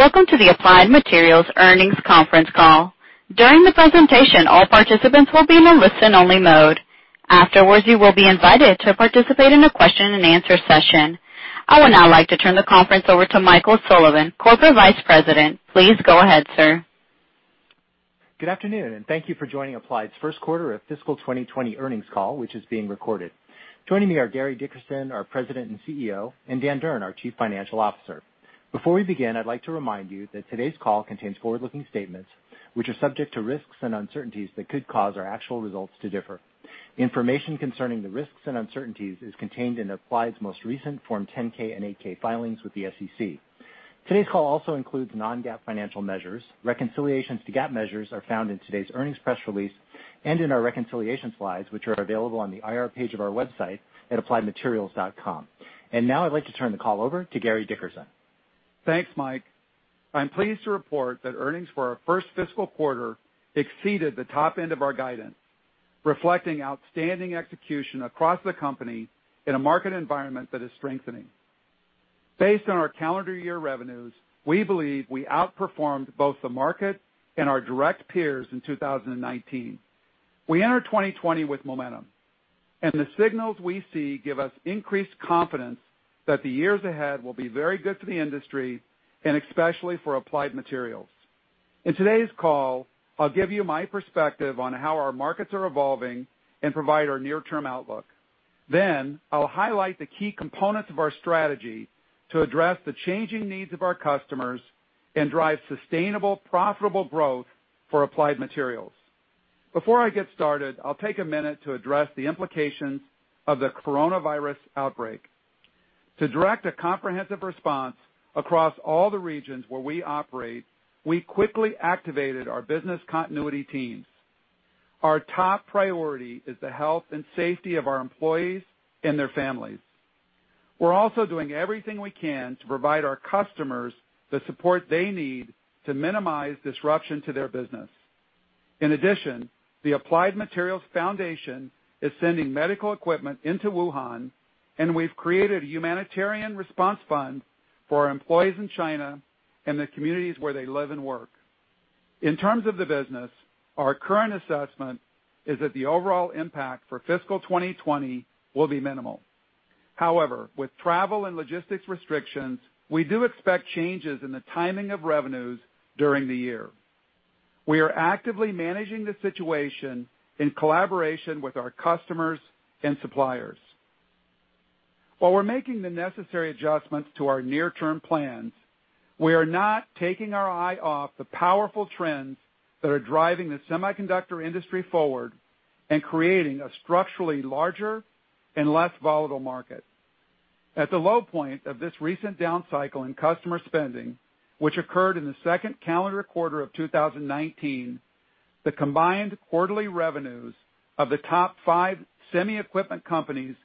Welcome to the Applied Materials earnings conference call. During the presentation, all participants will be in a listen-only mode. Afterwards, you will be invited to participate in a question-and-answer session. I would now like to turn the conference over to Michael Sullivan, Corporate Vice President. Please go ahead, sir. Good afternoon, and thank you for joining Applied's first quarter of fiscal 2020 earnings call, which is being recorded. Joining me are Gary Dickerson, our President and CEO, and Dan Durn, our Chief Financial Officer. Before we begin, I'd like to remind you that today's call contains forward-looking statements, which are subject to risks and uncertainties that could cause our actual results to differ. Information concerning the risks and uncertainties is contained in Applied's most recent Form 10-K and 8-K filings with the SEC. Today's call also includes non-GAAP financial measures. Reconciliations to GAAP measures are found in today's earnings press release and in our reconciliation slides, which are available on the IR page of our website at appliedmaterials.com. Now I'd like to turn the call over to Gary Dickerson. Thanks, Mike. I'm pleased to report that earnings for our first fiscal quarter exceeded the top end of our guidance, reflecting outstanding execution across the company in a market environment that is strengthening. Based on our calendar year revenues, we believe we outperformed both the market and our direct peers in 2019. We enter 2020 with momentum, the signals we see give us increased confidence that the years ahead will be very good for the industry, and especially for Applied Materials. In today's call, I'll give you my perspective on how our markets are evolving and provide our near-term outlook. I'll highlight the key components of our strategy to address the changing needs of our customers and drive sustainable, profitable growth for Applied Materials. Before I get started, I'll take a minute to address the implications of the coronavirus outbreak. To direct a comprehensive response across all the regions where we operate, we quickly activated our business continuity teams. Our top priority is the health and safety of our employees and their families. We're also doing everything we can to provide our customers the support they need to minimize disruption to their business. In addition, the Applied Materials Foundation is sending medical equipment into Wuhan, and we've created a humanitarian response fund for our employees in China and the communities where they live and work. In terms of the business, our current assessment is that the overall impact for fiscal 2020 will be minimal. However, with travel and logistics restrictions, we do expect changes in the timing of revenues during the year. We are actively managing the situation in collaboration with our customers and suppliers. While we're making the necessary adjustments to our near-term plans, we are not taking our eye off the powerful trends that are driving the semiconductor industry forward and creating a structurally larger and less volatile market. At the low point of this recent down cycle in customer spending, which occurred in the second calendar quarter of 2019, the combined quarterly revenues of the top five semi equipment companies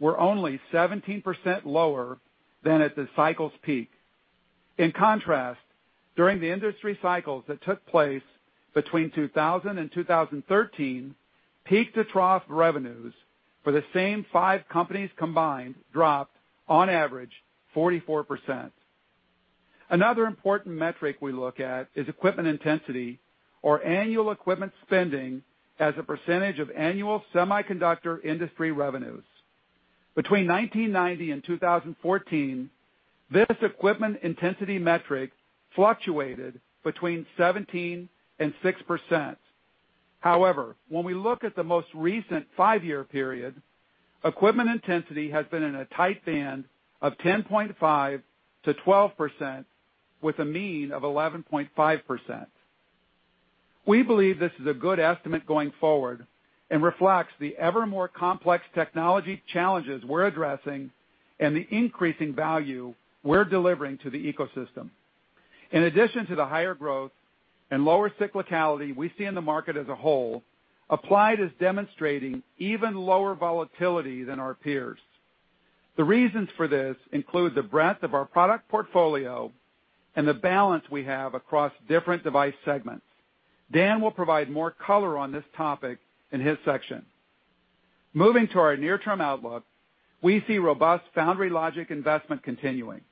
were only 17% lower than at the cycle's peak. In contrast, during the industry cycles that took place between 2000 and 2013, peak-to-trough revenues for the same five companies combined dropped on average 44%. Another important metric we look at is equipment intensity or annual equipment spending as a percent of annual semiconductor industry revenues. Between 1990 and 2014, this equipment intensity metric fluctuated between 17% and 6%. However, when we look at the most recent five-year period, equipment intensity has been in a tight band of 10.5%-12%, with a mean of 11.5%. We believe this is a good estimate going forward and reflects the ever more complex technology challenges we're addressing and the increasing value we're delivering to the ecosystem. In addition to the higher growth and lower cyclicality we see in the market as a whole, Applied is demonstrating even lower volatility than our peers. The reasons for this include the breadth of our product portfolio and the balance we have across different device segments. Dan will provide more color on this topic in his section. Moving to our near-term outlook, we see robust foundry logic investment continuing.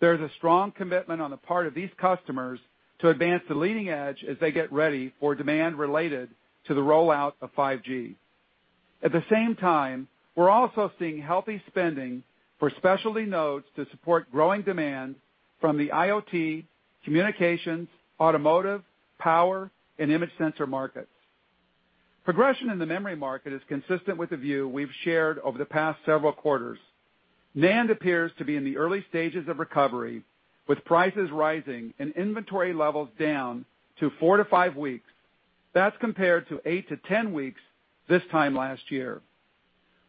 There's a strong commitment on the part of these customers to advance the leading edge as they get ready for demand related to the rollout of 5G. At the same time, we're also seeing healthy spending for specialty nodes to support growing demand from the IoT, communications, automotive, power, and image sensor markets. Progression in the memory market is consistent with the view we've shared over the past several quarters. NAND appears to be in the early stages of recovery, with prices rising and inventory levels down to four to five weeks. That's compared to eight to 10 weeks this time last year.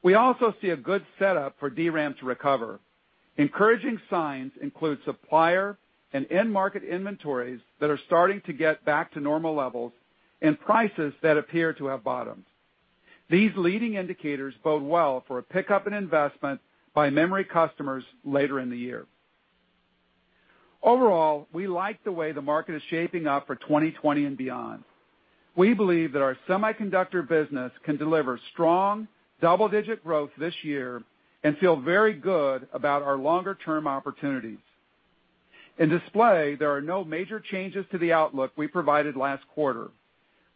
We also see a good setup for DRAM to recover. Encouraging signs include supplier and end-market inventories that are starting to get back to normal levels and prices that appear to have bottomed. These leading indicators bode well for a pickup in investment by memory customers later in the year. Overall, we like the way the market is shaping up for 2020 and beyond. We believe that our semiconductor business can deliver strong double-digit growth this year and feel very good about our longer-term opportunities. In display, there are no major changes to the outlook we provided last quarter.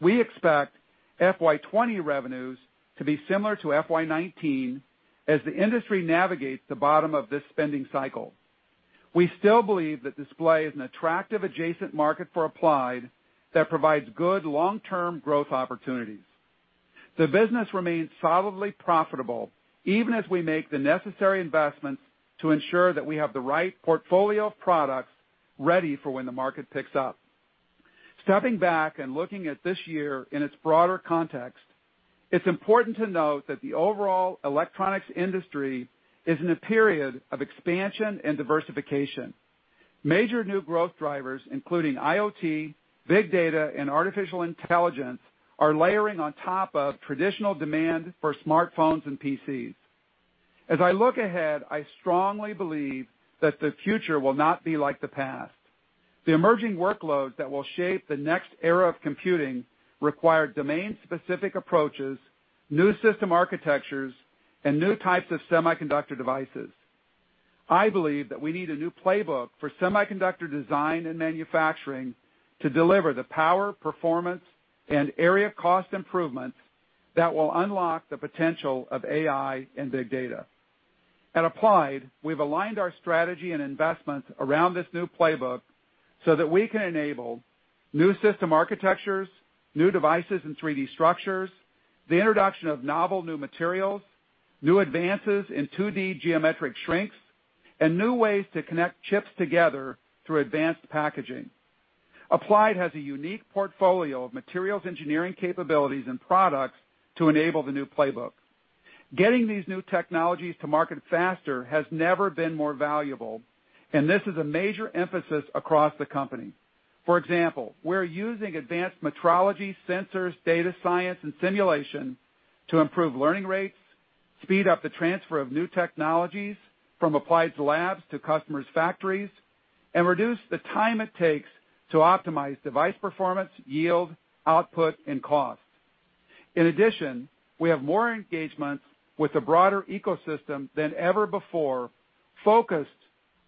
We expect FY 2020 revenues to be similar to FY 2019 as the industry navigates the bottom of this spending cycle. We still believe that display is an attractive adjacent market for Applied that provides good long-term growth opportunities. The business remains solidly profitable, even as we make the necessary investments to ensure that we have the right portfolio of products ready for when the market picks up. Stepping back and looking at this year in its broader context, it's important to note that the overall electronics industry is in a period of expansion and diversification. Major new growth drivers, including IoT, big data, and AI, are layering on top of traditional demand for smartphones and PCs. As I look ahead, I strongly believe that the future will not be like the past. The emerging workloads that will shape the next era of computing require domain-specific approaches, new system architectures, and new types of semiconductor devices. I believe that we need a new playbook for semiconductor design and manufacturing to deliver the power, performance, and area cost improvements that will unlock the potential of AI and big data. At Applied, we've aligned our strategy and investments around this new playbook so that we can enable new system architectures, new devices and 3D structures, the introduction of novel new materials, new advances in 2D geometric shrinks, and new ways to connect chips together through advanced packaging. Applied has a unique portfolio of materials engineering capabilities and products to enable the new playbook. Getting these new technologies to market faster has never been more valuable, and this is a major emphasis across the company. For example, we're using advanced metrology, sensors, data science, and simulation to improve learning rates, speed up the transfer of new technologies from Applied's labs to customers' factories, and reduce the time it takes to optimize device performance, yield, output, and cost. In addition, we have more engagements with the broader ecosystem than ever before, focused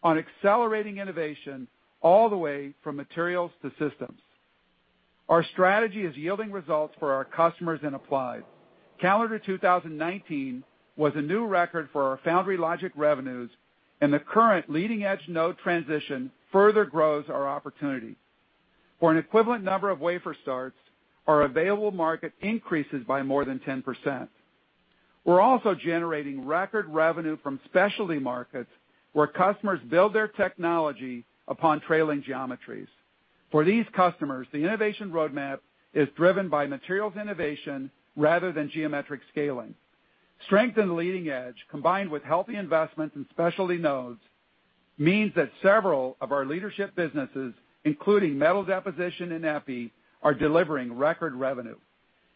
on accelerating innovation all the way from materials to systems. Our strategy is yielding results for our customers and Applied. Calendar 2019 was a new record for our foundry logic revenues, and the current leading-edge node transition further grows our opportunity. For an equivalent number of wafer starts, our available market increases by more than 10%. We're also generating record revenue from specialty markets where customers build their technology upon trailing geometries. For these customers, the innovation roadmap is driven by materials innovation rather than geometric scaling. Strength in leading edge, combined with healthy investments in specialty nodes, means that several of our leadership businesses, including metal deposition and epi, are delivering record revenue.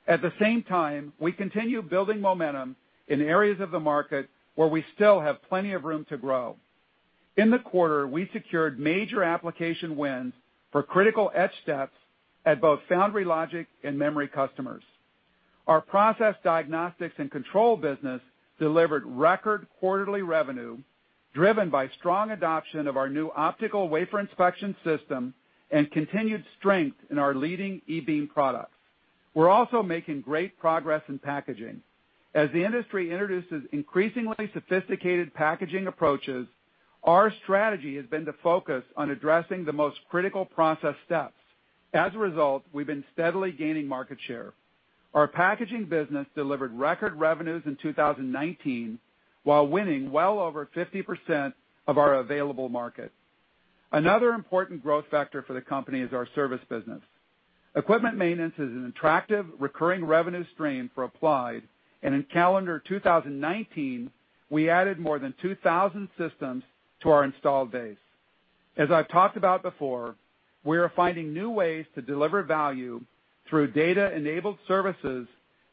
At the same time, we continue building momentum in areas of the market where we still have plenty of room to grow. In the quarter, we secured major application wins for critical etch steps at both foundry logic and memory customers. Our process diagnostics and control business delivered record quarterly revenue, driven by strong adoption of our new optical wafer inspection system and continued strength in our leading e-beam products. We're also making great progress in packaging. As the industry introduces increasingly sophisticated packaging approaches, our strategy has been to focus on addressing the most critical process steps. As a result, we've been steadily gaining market share. Our packaging business delivered record revenues in 2019 while winning well over 50% of our available market. Another important growth factor for the company is our service business. Equipment maintenance is an attractive recurring revenue stream for Applied, and in calendar 2019, we added more than 2,000 systems to our installed base. As I've talked about before, we are finding new ways to deliver value through data-enabled services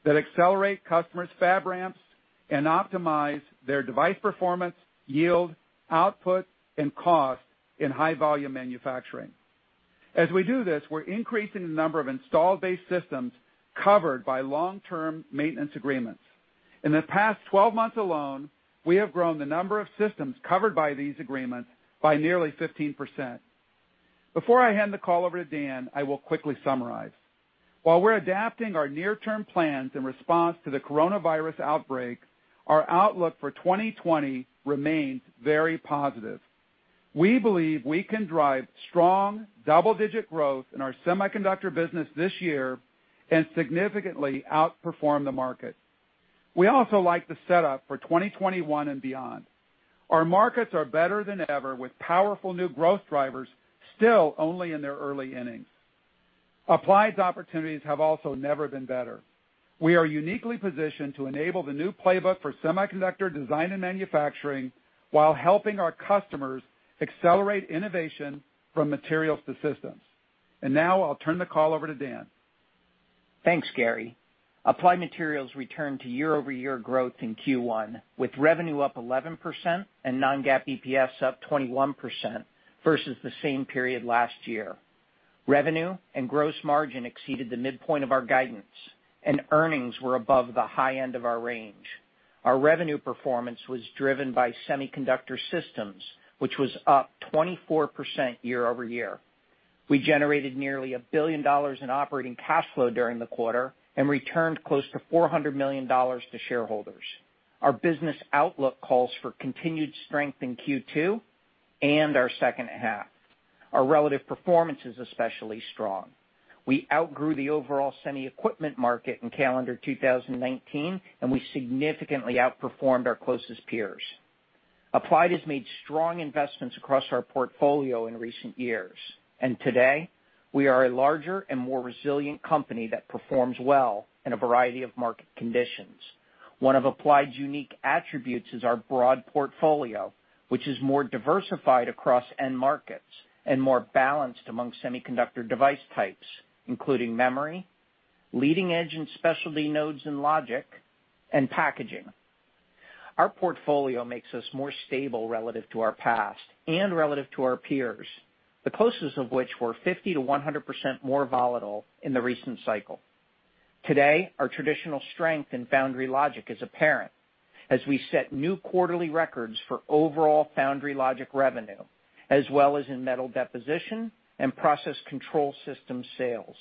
that accelerate customers' fab ramps and optimize their device performance, yield, output, and cost in high-volume manufacturing. As we do this, we're increasing the number of installed base systems covered by long-term maintenance agreements. In the past 12 months alone, we have grown the number of systems covered by these agreements by nearly 15%. Before I hand the call over to Dan, I will quickly summarize. While we're adapting our near-term plans in response to the coronavirus outbreak, our outlook for 2020 remains very positive. We believe we can drive strong double-digit growth in our semiconductor business this year and significantly outperform the market. We also like the setup for 2021 and beyond. Our markets are better than ever, with powerful new growth drivers still only in their early innings. Applied's opportunities have also never been better. We are uniquely positioned to enable the new playbook for semiconductor design and manufacturing while helping our customers accelerate innovation from materials to systems. Now I'll turn the call over to Dan. Thanks, Gary. Applied Materials returned to YoY growth in Q1, with revenue up 11% and non-GAAP EPS up 21%, versus the same period last year. Revenue and gross margin exceeded the midpoint of our guidance, and earnings were above the high end of our range. Our revenue performance was driven by semiconductor systems, which was up 24% YoY. We generated nearly $1 billion in operating cash flow during the quarter and returned close to $400 million to shareholders. Our business outlook calls for continued strength in Q2 and our second half. Our relative performance is especially strong. We outgrew the overall semi equipment market in calendar 2019, and we significantly outperformed our closest peers. Applied has made strong investments across our portfolio in recent years, and today, we are a larger and more resilient company that performs well in a variety of market conditions. One of Applied's unique attributes is our broad portfolio, which is more diversified across end markets and more balanced among semiconductor device types, including memory, leading-edge and specialty nodes and logic, and packaging. Our portfolio makes us more stable relative to our past and relative to our peers, the closest of which were 50%-100% more volatile in the recent cycle. Today, our traditional strength in foundry logic is apparent as we set new quarterly records for overall foundry logic revenue, as well as in metal deposition and process control system sales.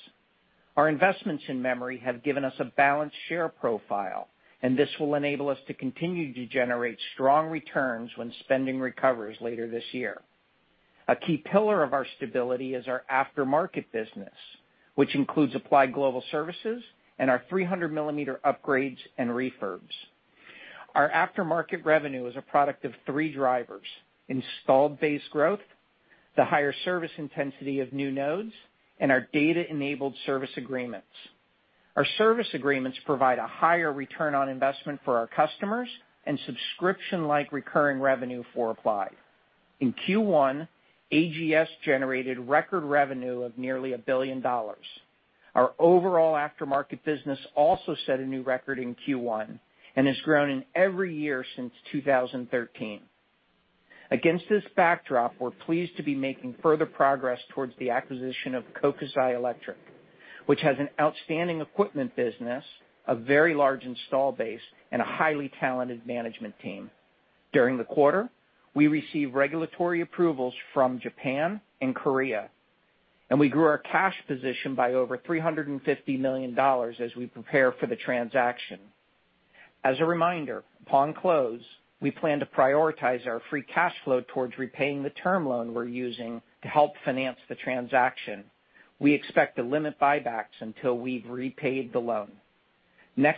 Our investments in memory has given us a balanced share profile and this will enable us to continue to generate strong returns when spending recovers later this year. A key pillar of our stability is our aftermarket business, which includes Applied Global Services and our 300-millimeter upgrades and refurbs. Our aftermarket revenue is a product of three drivers, installed base growth, the higher service intensity of new nodes, and our data-enabled service agreements. Our service agreements provide a higher return on investment for our customers and subscription-like recurring revenue for Applied. In Q1, AGS generated record revenue of nearly $1 billion. Our overall aftermarket business also set a new record in Q1 and has grown in every year since 2013. Against this backdrop, we're pleased to be making further progress towards the acquisition of Kokusai Electric, which has an outstanding equipment business, a very large install base, and a highly talented management team. During the quarter, we received regulatory approvals from Japan and Korea, and we grew our cash position by over $350 million as we prepare for the transaction. As a reminder, upon close, we plan to prioritize our free cash flow towards repaying the term loan we're using to help finance the transaction. We expect to limit buybacks until we've repaid the loan.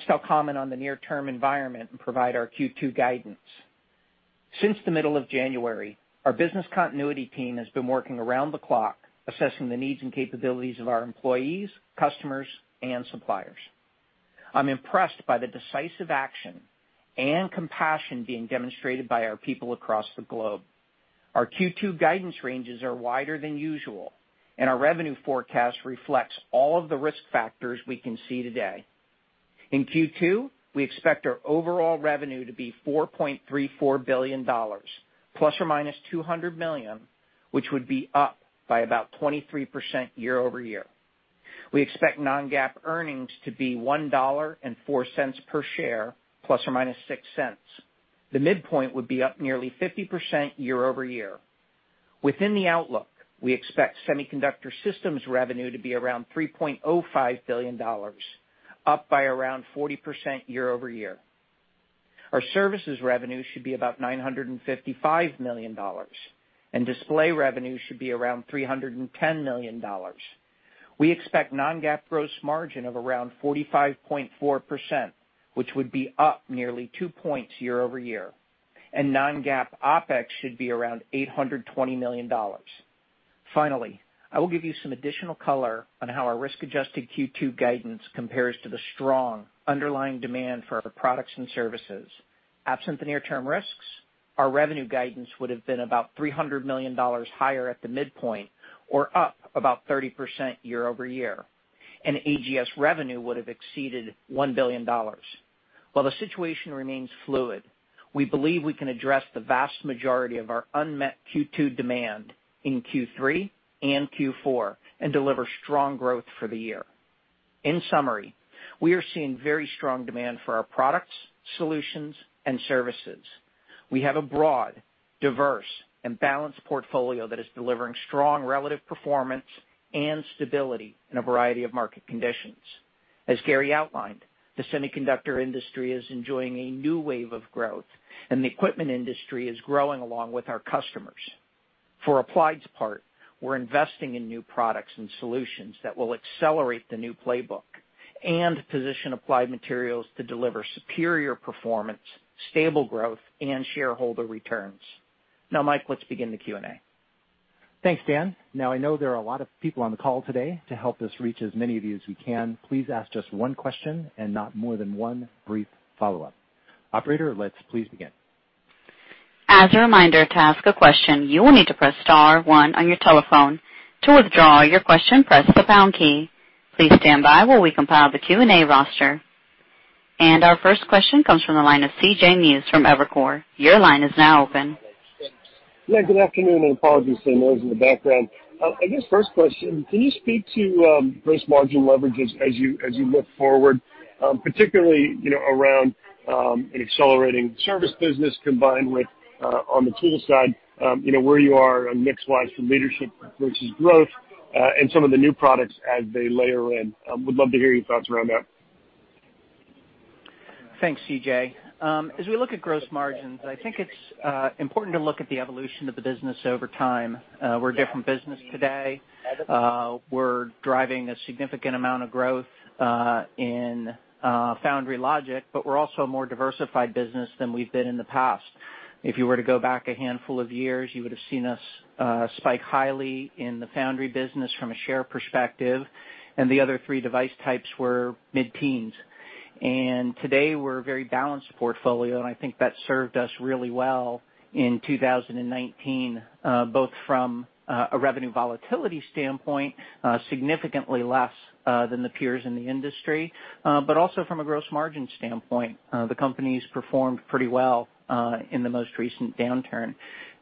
I'll comment on the near-term environment and provide our Q2 guidance. Since the middle of January, our business continuity team has been working around the clock, assessing the needs and capabilities of our employees, customers, and suppliers. I'm impressed by the decisive action and compassion being demonstrated by our people across the globe. Our Q2 guidance ranges are wider than usual, and our revenue forecast reflects all of the risk factors we can see today. In Q2, we expect our overall revenue to be $4.34 billion ±$200 million, which would be up by about 23% YoY. We expect non-GAAP earnings to be $1.04 per share ±$0.06. The midpoint would be up nearly 50% YoY. Within the outlook, we expect semiconductor systems revenue to be around $3.05 billion, up by around 40% YoY. Our services revenue should be about $955 million, and display revenue should be around $310 million. We expect non-GAAP gross margin of around 45.4%, which would be up nearly two points YoY, and non-GAAP OpEx should be around $820 million. Finally, I will give you some additional color on how our risk-adjusted Q2 guidance compares to the strong underlying demand for our products and services. Absent the near-term risks, our revenue guidance would've been about $300 million higher at the midpoint, or up about 30% YoY, and AGS revenue would have exceeded $1 billion. While the situation remains fluid, we believe we can address the vast majority of our unmet Q2 demand in Q3 and Q4 and deliver strong growth for the year. In summary, we are seeing very strong demand for our products, solutions, and services. We have a broad, diverse, and balanced portfolio that is delivering strong relative performance and stability in a variety of market conditions. As Gary outlined, the semiconductor industry is enjoying a new wave of growth, and the equipment industry is growing along with our customers. For Applied's part, we're investing in new products and solutions that will accelerate the new playbook and position Applied Materials to deliver superior performance, stable growth, and shareholder returns. Now, Mike, let's begin the Q&A. Thanks, Dan. I know there are a lot of people on the call today. To help us reach as many of you as we can, please ask just one question and not more than one brief follow-up. Operator, let's please begin. As a reminder, to ask a question, you will need to press star one on your telephone. To withdraw your question, press the pound key. Please stand by while we compile the Q&A roster. Our first question comes from the line of CJ Muse from Evercore. Your line is now open. Yeah, good afternoon, and apologies for the noise in the background. I guess first question, can you speak to gross margin leverages as you look forward, particularly around an accelerating service business combined with, on the tools side, where you are mix-wise from leadership versus growth, and some of the new products as they layer in. Would love to hear your thoughts around that. Thanks, CJ. As we look at gross margins, I think it's important to look at the evolution of the business over time. We're a different business today. We're driving a significant amount of growth in foundry logic, but we're also a more diversified business than we've been in the past. If you were to go back a handful of years, you would've seen us spike highly in the foundry business from a share perspective, and the other three device types were mid-teens. Today, we're a very balanced portfolio, and I think that served us really well in 2019, both from a revenue volatility standpoint, significantly less than the peers in the industry. Also from a gross margin standpoint, the company's performed pretty well in the most recent downturn.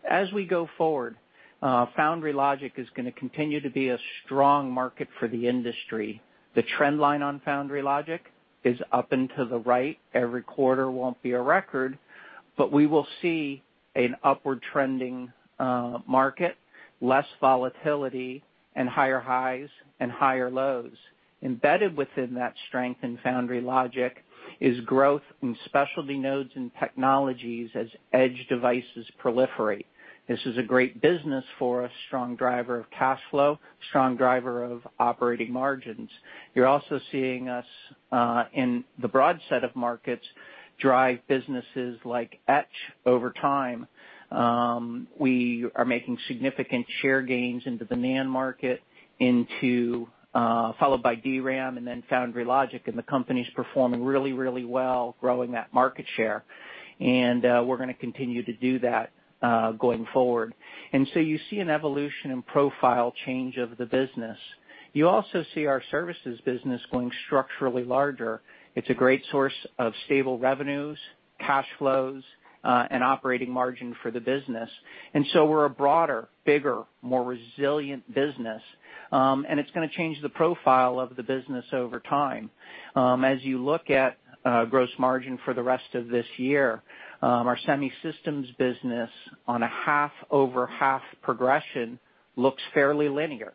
As we go forward, foundry logic is going to continue to be a strong market for the industry. The trend line on foundry logic is up and to the right. Every quarter won't be a record, but we will see an upward trending market, less volatility, and higher highs and higher lows. Embedded within that strength in foundry logic is growth in specialty nodes and technologies as edge devices proliferate. This is a great business for us, strong driver of cash flow, strong driver of operating margins. You're also seeing us, in the broad set of markets, drive businesses like etch over time. We are making significant share gains into the NAND market, followed by DRAM, then foundry logic, and the company's performing really well growing that market share. We're going to continue to do that going forward. You see an evolution and profile change of the business. You also see our services business going structurally larger. It's a great source of stable revenues, cash flows, and operating margin for the business. We're a broader, bigger, more resilient business. It's going to change the profile of the business over time. As you look at gross margin for the rest of this year, our semi systems business on a half-over-half progression looks fairly linear.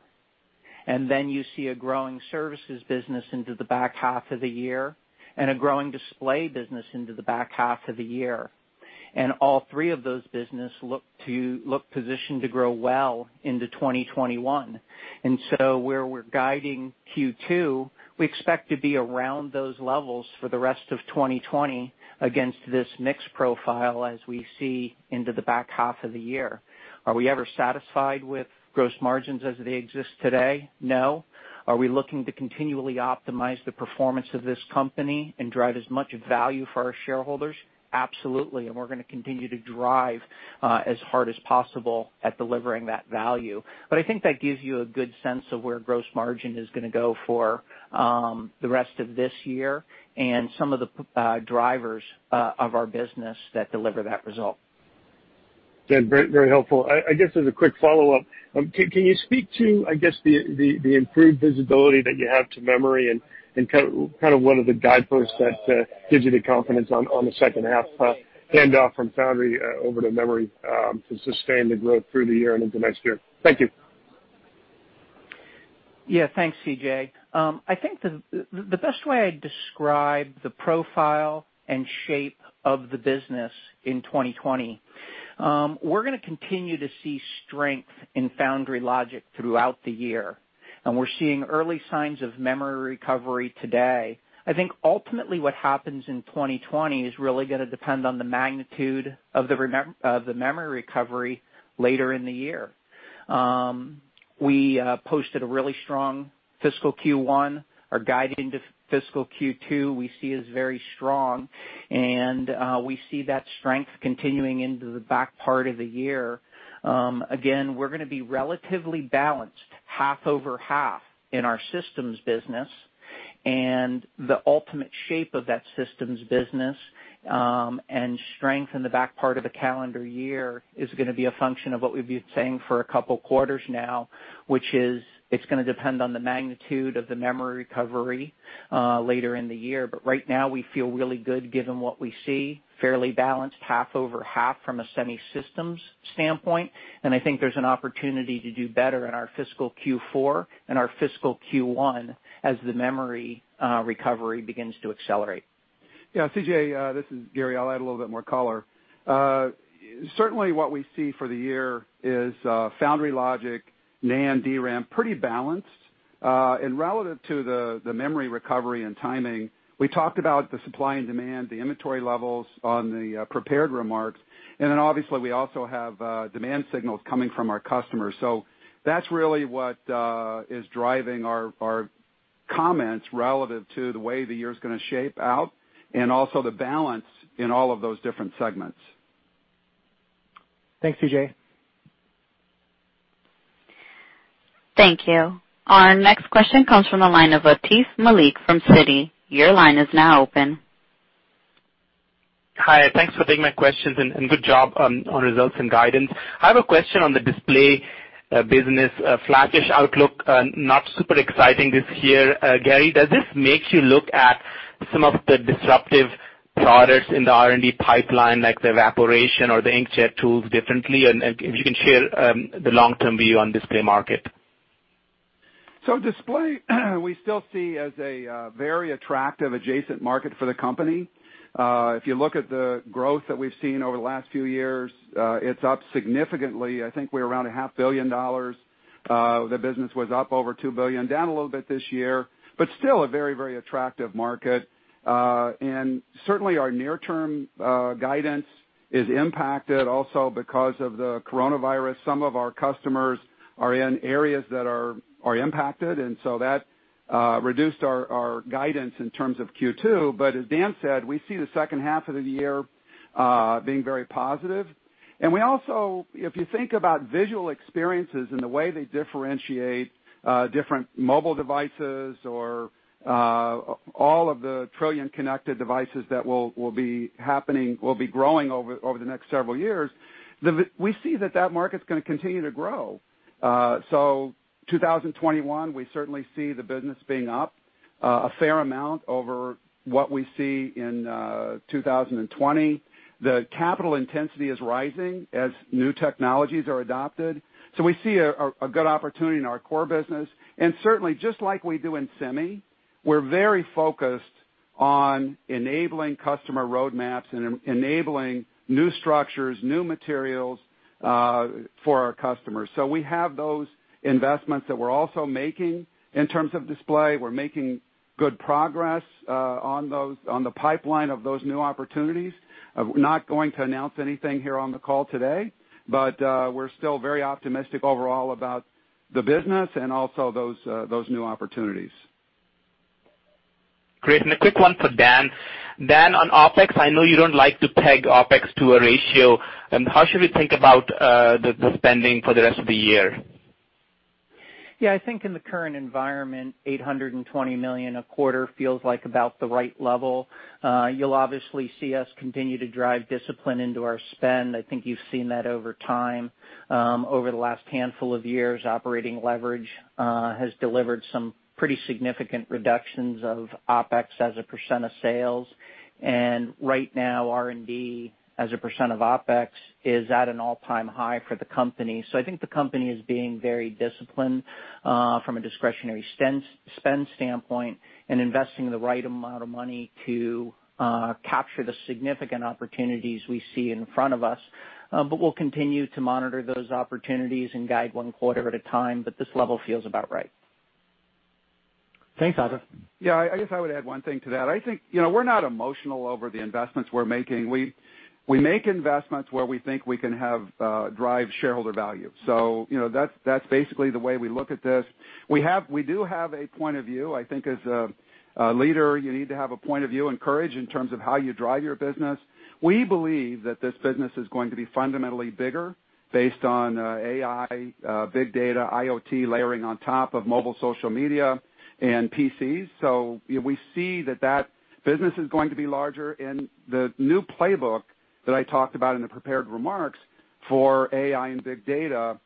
Then you see a growing services business into the back half of the year, and a growing display business into the back half of the year. All three of those business look positioned to grow well into 2021. Where we're guiding Q2, we expect to be around those levels for the rest of 2020 against this mix profile as we see into the back half of the year. Are we ever satisfied with gross margins as they exist today? No. Are we looking to continually optimize the performance of this company and drive as much value for our shareholders? Absolutely, and we're going to continue to drive as hard as possible at delivering that value. I think that gives you a good sense of where gross margin is going to go for the rest of this year and some of the drivers of our business that deliver that result. Dan, very helpful. I guess as a quick follow-up, can you speak to, I guess, the improved visibility that you have to memory and kind of one of the guideposts that gives you the confidence on the second half handoff from foundry over to memory to sustain the growth through the year and into next year? Thank you. Yeah. Thanks, CJ I think the best way I describe the profile and shape of the business in 2020, we're going to continue to see strength in foundry logic throughout the year, and we're seeing early signs of memory recovery today. I think ultimately what happens in 2020 is really going to depend on the magnitude of the memory recovery later in the year. We posted a really strong fiscal Q1. Our guide into fiscal Q2 we see as very strong. We see that strength continuing into the back part of the year. We're going to be relatively balanced, half-over-half in our systems business, and the ultimate shape of that systems business, and strength in the back part of the calendar year is going to be a function of what we've been saying for a couple of quarters now, which is it's going to depend on the magnitude of the memory recovery later in the year. Right now, we feel really good given what we see, fairly balanced half-over-half from a semi systems standpoint, and I think there's an opportunity to do better in our fiscal Q4 and our fiscal Q1 as the memory recovery begins to accelerate. Yeah, CJ, this is Gary. I'll add a little bit more color. Certainly, what we see for the year is foundry logic, NAND, DRAM, pretty balanced. Relative to the memory recovery and timing, we talked about the supply and demand, the inventory levels on the prepared remarks, and then obviously, we also have demand signals coming from our customers. That's really what is driving our comments relative to the way the year's going to shape out, and also the balance in all of those different segments. Thanks, CJ. Thank you. Our next question comes from the line of Atif Malik from Citi. Your line is now open. Hi. Thanks for taking my questions. Good job on results and guidance. I have a question on the display business. A flattish outlook, not super exciting this year. Gary, does this make you look at some of the disruptive products in the R&D pipeline, like the evaporation or the inkjet tools differently? If you can share the long-term view on display market. Display, we still see as a very attractive adjacent market for the company. If you look at the growth that we've seen over the last few years, it's up significantly. I think we're around a half billion dollars. The business was up over $2 billion, down a little bit this year, but still a very, very attractive market. Certainly, our near-term guidance is impacted also because of the coronavirus. Some of our customers are in areas that are impacted, and so that reduced our guidance in terms of Q2. As Dan said, we see the second half of the year being very positive. We also, if you think about visual experiences and the way they differentiate different mobile devices or all of the trillion connected devices that will be growing over the next several years, we see that market's going to continue to grow. 2021, we certainly see the business being up a fair amount over what we see in 2020. The capital intensity is rising as new technologies are adopted. We see a good opportunity in our core business. Certainly, just like we do in semi, we're very focused on enabling customer roadmaps and enabling new structures, new materials for our customers. We have those investments that we're also making in terms of display. We're making good progress on the pipeline of those new opportunities. Not going to announce anything here on the call today, but we're still very optimistic overall about the business and also those new opportunities. Great. A quick one for Dan. Dan, on OpEx, I know you don't like to peg OpEx to a ratio. How should we think about the spending for the rest of the year? Yeah, I think in the current environment, $820 million a quarter feels like about the right level. You'll obviously see us continue to drive discipline into our spend. I think you've seen that over time. Over the last handful of years, operating leverage has delivered some pretty significant reductions of OpEx as a percent of sales. Right now, R&D as a percent of OpEx is at an all-time high for the company. I think the company is being very disciplined from a discretionary spend standpoint and investing the right amount of money to capture the significant opportunities we see in front of us. We'll continue to monitor those opportunities and guide one quarter at a time, but this level feels about right. Thanks, Atif. Yeah, I guess I would add one thing to that. I think we're not emotional over the investments we're making. We make investments where we think we can drive shareholder value. That's basically the way we look at this. We do have a point of view. I think as a leader, you need to have a point of view and courage in terms of how you drive your business. We believe that this business is going to be fundamentally bigger based on AI, big data, IoT layering on top of mobile social media and PCs. We see that business is going to be larger, and the new playbook that I talked about in the prepared remarks for AI and big data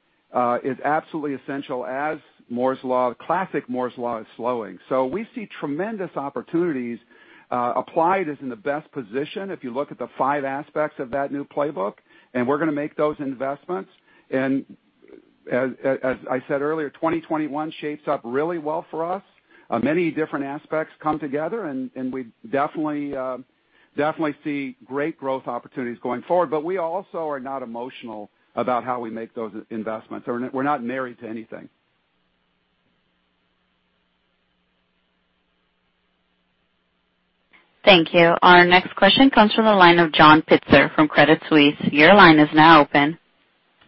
is absolutely essential as Moore's Law, the classic Moore's Law is slowing. We see tremendous opportunities. Applied is in the best position if you look at the five aspects of that new playbook, and we're going to make those investments. As I said earlier, 2021 shapes up really well for us. Many different aspects come together, and we definitely see great growth opportunities going forward. We also are not emotional about how we make those investments, or we're not married to anything. Thank you. Our next question comes from the line of John Pitzer from Credit Suisse. Your line is now open.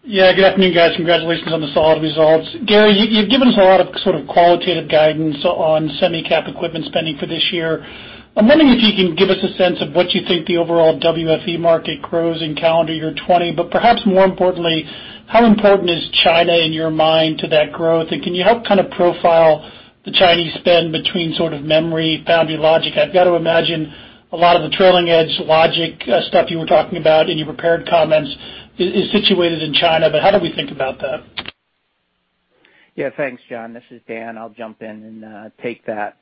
Good afternoon, guys. Congratulations on the solid results. Gary, you've given us a lot of sort of qualitative guidance on semi-cap equipment spending for this year. I'm wondering if you can give us a sense of what you think the overall WFE market grows in calendar year 2020, but perhaps more importantly, how important is China in your mind to that growth? Can you help kind of profile the Chinese spend between sort of memory, foundry logic? I've got to imagine a lot of the trailing edge logic stuff you were talking about in your prepared comments is situated in China. How do we think about that? Thanks, John. This is Dan. I'll jump in and take that.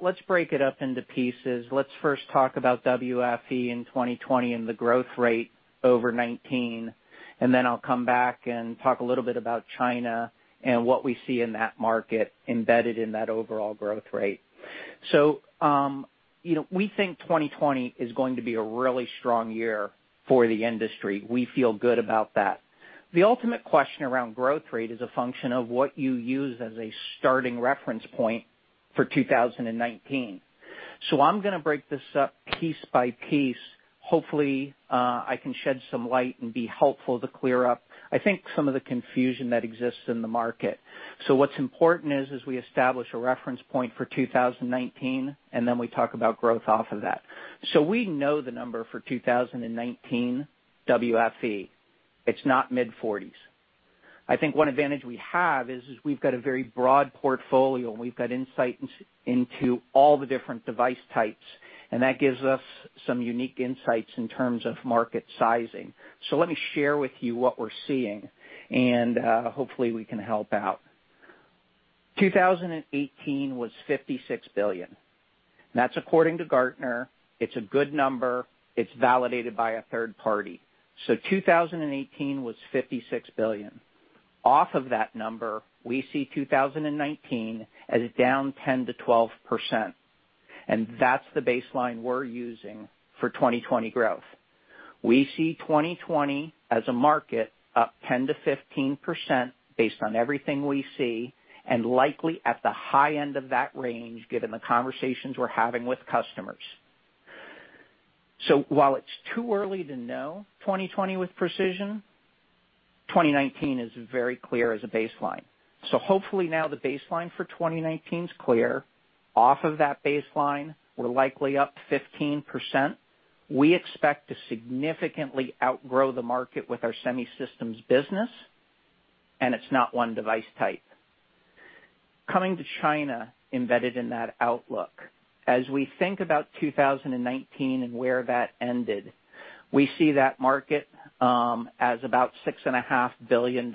Let's break it up into pieces. Let's first talk about WFE in 2020 and the growth rate over 2019, and then I'll come back and talk a little bit about China and what we see in that market embedded in that overall growth rate. We think 2020 is going to be a really strong year for the industry. We feel good about that. The ultimate question around growth rate is a function of what you use as a starting reference point for 2019. I'm going to break this up piece by piece. Hopefully, I can shed some light and be helpful to clear up, I think, some of the confusion that exists in the market. What's important is we establish a reference point for 2019, and then we talk about growth off of that. We know the number for 2019 WFE. It's not mid-40s. I think one advantage we have is we've got a very broad portfolio, and we've got insight into all the different device types, and that gives us some unique insights in terms of market sizing. Let me share with you what we're seeing, and hopefully we can help out. 2018 was $56 billion. That's according to Gartner. It's a good number. It's validated by a third party. 2018 was $56 billion. Off of that number, we see 2019 as down 10%-12%, and that's the baseline we're using for 2020 growth. We see 2020 as a market up 10%-15% based on everything we see, and likely at the high end of that range, given the conversations we're having with customers. While it's too early to know 2020 with precision, 2019 is very clear as a baseline. Hopefully now the baseline for 2019 is clear. Off of that baseline, we're likely up 15%. We expect to significantly outgrow the market with our semi systems business, and it's not one device type. Coming to China embedded in that outlook. As we think about 2019 and where that ended, we see that market as about $6.5 billion,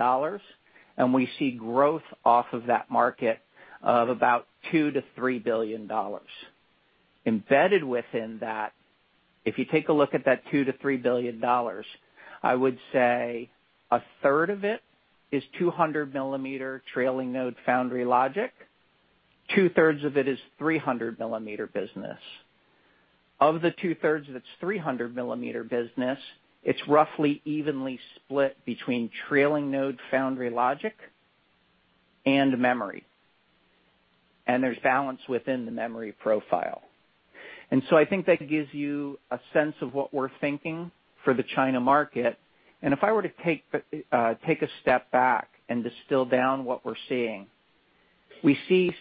and we see growth off of that market of about $2 billion-$3 billion. Embedded within that, if you take a look at that $2 billion-$3 billion, I would say 1/3 of it is 200-millimeter trailing node foundry logic. 2/3 of it is 300-millimeter business. Of the 2/3 that's 300-millimeter business, it's roughly evenly split between trailing node foundry logic and memory. There's balance within the memory profile. I think that gives you a sense of what we're thinking for the China market. If I were to take a step back and distill down what we're seeing, we see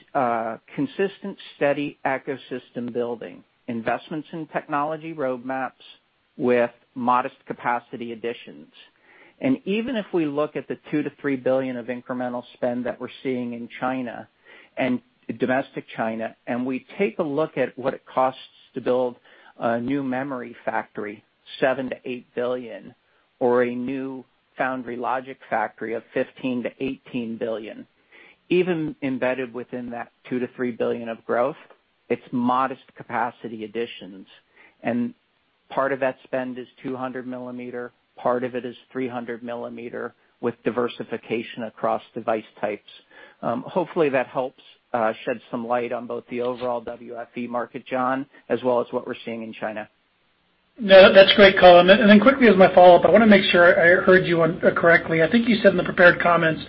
consistent, steady ecosystem building, investments in technology roadmaps with modest capacity additions. Even if we look at the $2 billion-$3 billion of incremental spend that we're seeing in China, and domestic China, and we take a look at what it costs to build a new memory factory, $7 billion-$8 billion, or a new foundry logic factory of $15 billion-$18 billion. Even embedded within that $2 billion-$3 billion of growth, it's modest capacity additions, and part of that spend is 200 millimeter, part of it is 300 millimeter with diversification across device types. Hopefully, that helps shed some light on both the overall WFE market, John, as well as what we're seeing in China. No, that's great, color. Quickly as my follow-up, I want to make sure I heard you correctly. I think you said in the prepared comments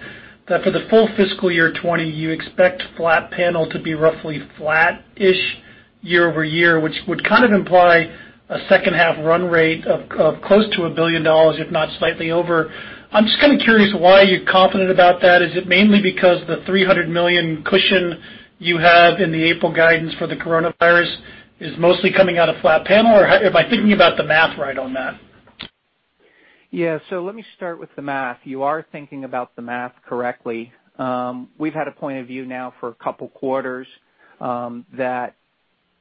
that for the full fiscal year 2020, you expect flat panel to be roughly flat-ish YoY, which would kind of imply a second half run rate of close to $1 billion, if not slightly over. I'm just kind of curious why you're confident about that. Is it mainly because the $300 million cushion you have in the April guidance for the coronavirus is mostly coming out of flat panel? Am I thinking about the math right on that? Yeah. Let me start with the math. You are thinking about the math correctly. We've had a point of view now for a couple of quarters, that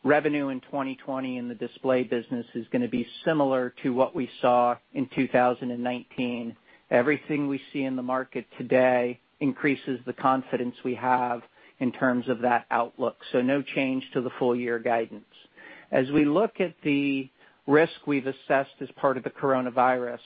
revenue in 2020 in the display business is going to be similar to what we saw in 2019. Everything we see in the market today increases the confidence we have in terms of that outlook. No change to the full-year guidance. As we look at the risk we've assessed as part of the coronavirus,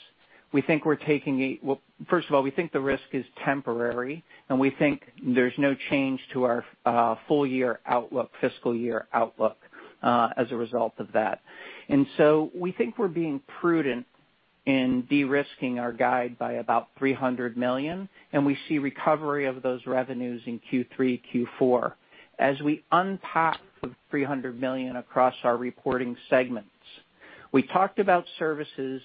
first of all, we think the risk is temporary, and we think there's no change to our full-year outlook, fiscal year outlook, as a result of that. We think we're being prudent in de-risking our guide by about $300 million, and we see recovery of those revenues in Q3, Q4. As we unpack the $300 million across our reporting segments, we talked about services,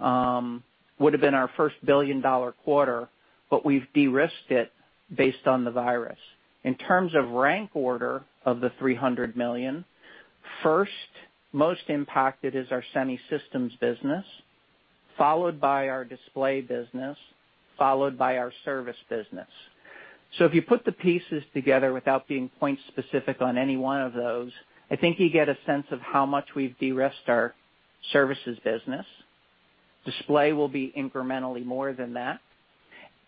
would've been our first billion-dollar quarter, but we've de-risked it based on the coronavirus. In terms of rank order of the $300 million, first most impacted is our semi systems business, followed by our display business, followed by our service business. If you put the pieces together without being point specific on any one of those, I think you get a sense of how much we've de-risked our services business. Display will be incrementally more than that,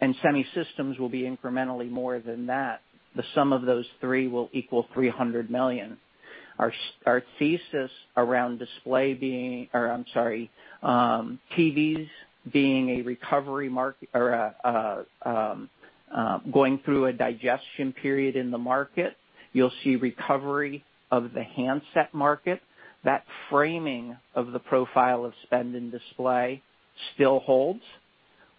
and semi systems will be incrementally more than that. The sum of those three will equal $300 million. Our thesis around TVs going through a digestion period in the market, you'll see recovery of the handset market. That framing of the profile of spend and display still holds.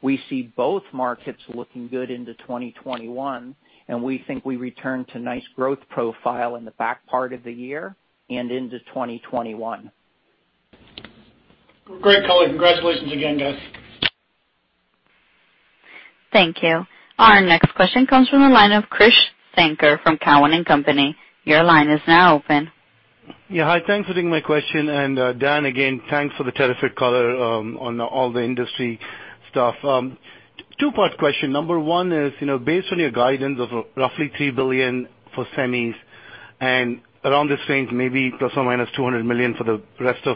We see both markets looking good into 2021, and we think we return to nice growth profile in the back part of the year and into 2021. Great color. Congratulations again, guys. Thank you. Our next question comes from the line of Krish Sankar from Cowen and Company. Your line is now open. Yeah. Hi. Thanks for taking my question. Dan, again, thanks for the terrific color on all the industry stuff. Two-part question. Number one is, based on your guidance of roughly $3 billion for semis, and around this range, maybe ±$200 million for the rest of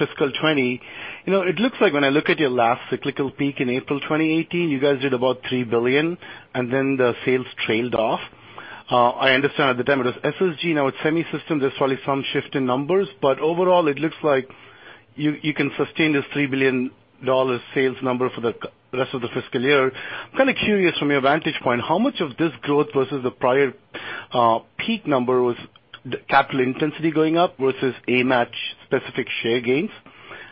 fiscal 2020. It looks like when I look at your last cyclical peak in April 2018, you guys did about $3 billion, and then the sales trailed off. I understand at the time it was SSG. Now it's Semi Systems. There's probably some shift in numbers. Overall, it looks like you can sustain this $3 billion sales number for the rest of the fiscal year. I'm kind of curious from your vantage point, how much of this growth versus the prior peak number was capital intensity going up versus AMAT-specific share gains?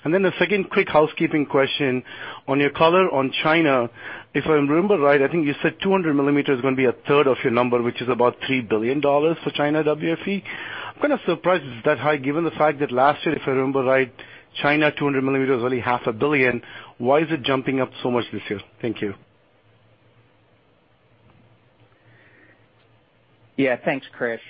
The second quick housekeeping question. On your color on China, if I remember right, I think you said 200 millimeter is going to be 1/3 of your number, which is about $3 billion for China WFE. I'm kind of surprised it's that high, given the fact that last year, if I remember right, China 200 millimeter was only half a billion. Why is it jumping up so much this year? Thank you. Yeah. Thanks, Krish.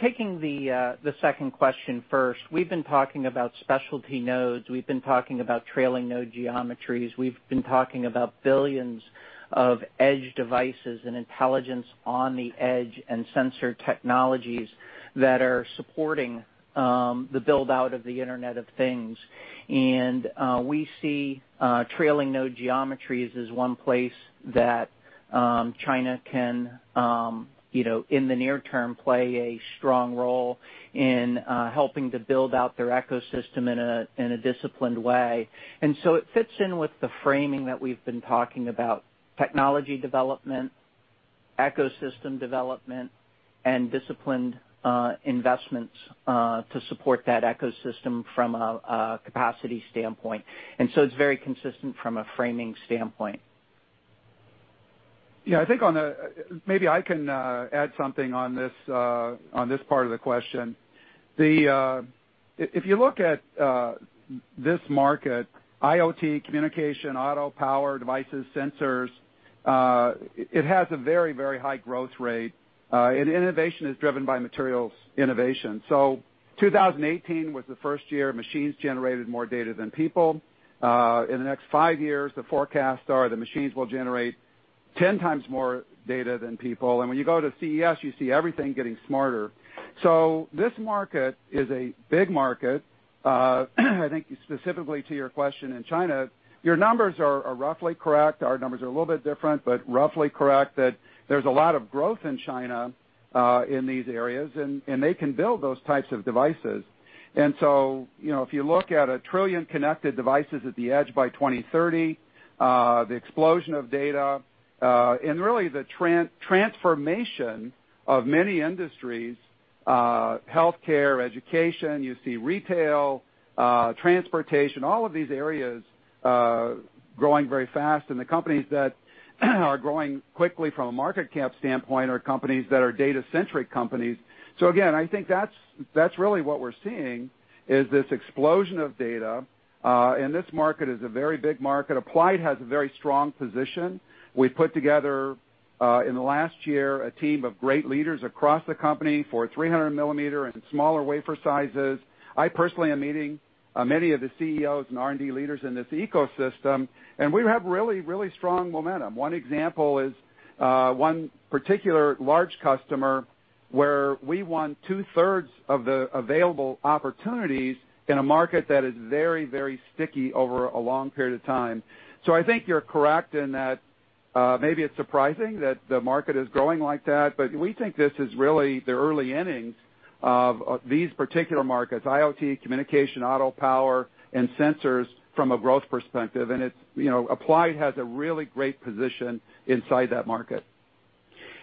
Taking the second question first, we've been talking about specialty nodes, we've been talking about trailing node geometries, we've been talking about billions of edge devices and intelligence on the edge and sensor technologies that are supporting the build-out of the Internet of Things. We see trailing node geometries as one place that China can, in the near term, play a strong role in helping to build out their ecosystem in a disciplined way. It fits in with the framing that we've been talking about technology development, ecosystem development, and disciplined investments to support that ecosystem from a capacity standpoint. It's very consistent from a framing standpoint. Yeah, I think maybe I can add something on this part of the question. If you look at this market, IoT, communication, auto, power, devices, sensors, it has a very, very high growth rate, and innovation is driven by materials innovation. 2018 was the first year machines generated more data than people. In the next five years, the forecasts are the machines will generate 10x more data than people. When you go to CES, you see everything getting smarter. This market is a big market. I think specifically to your question in China, your numbers are roughly correct. Our numbers are a little bit different, but roughly correct that there's a lot of growth in China in these areas, and they can build those types of devices. If you look at a trillion connected devices at the edge by 2030, the explosion of data, and really the transformation of many industries, healthcare, education, you see retail, transportation, all of these areas growing very fast. The companies that are growing quickly from a market cap standpoint are companies that are data-centric companies. Again, I think that's really what we're seeing, is this explosion of data, and this market is a very big market. Applied has a very strong position. We put together, in the last year, a team of great leaders across the company for 300 millimeter and smaller wafer sizes. I personally am meeting many of the CEOs and R&D leaders in this ecosystem, and we have really strong momentum. One example is one particular large customer where we won 2/3 of the available opportunities in a market that is very, very sticky over a long period of time. I think you're correct in that maybe it's surprising that the market is growing like that. We think this is really the early innings of these particular markets, IoT, communication, auto, power, and sensors from a growth perspective. Applied has a really great position inside that market.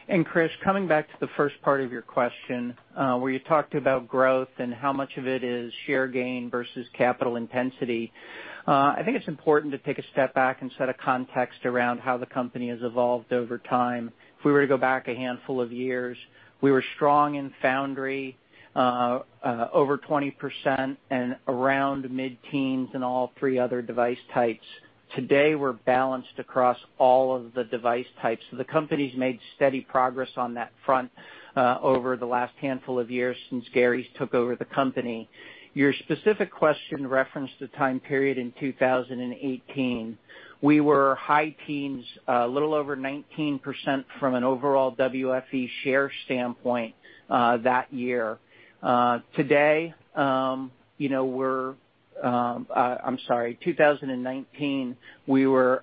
Krish, coming back to the first part of your question, where you talked about growth and how much of it is share gain versus capital intensity. I think it's important to take a step back and set a context around how the company has evolved over time. If we were to go back a handful of years, we were strong in foundry, over 20% and around mid-teens in all three other device types. Today, we're balanced across all of the device types. The company's made steady progress on that front over the last handful of years since Gary took over the company. Your specific question referenced the time period in 2018. We were high teens, a little over 19% from an overall WFE share standpoint that year. Today, 2019, we were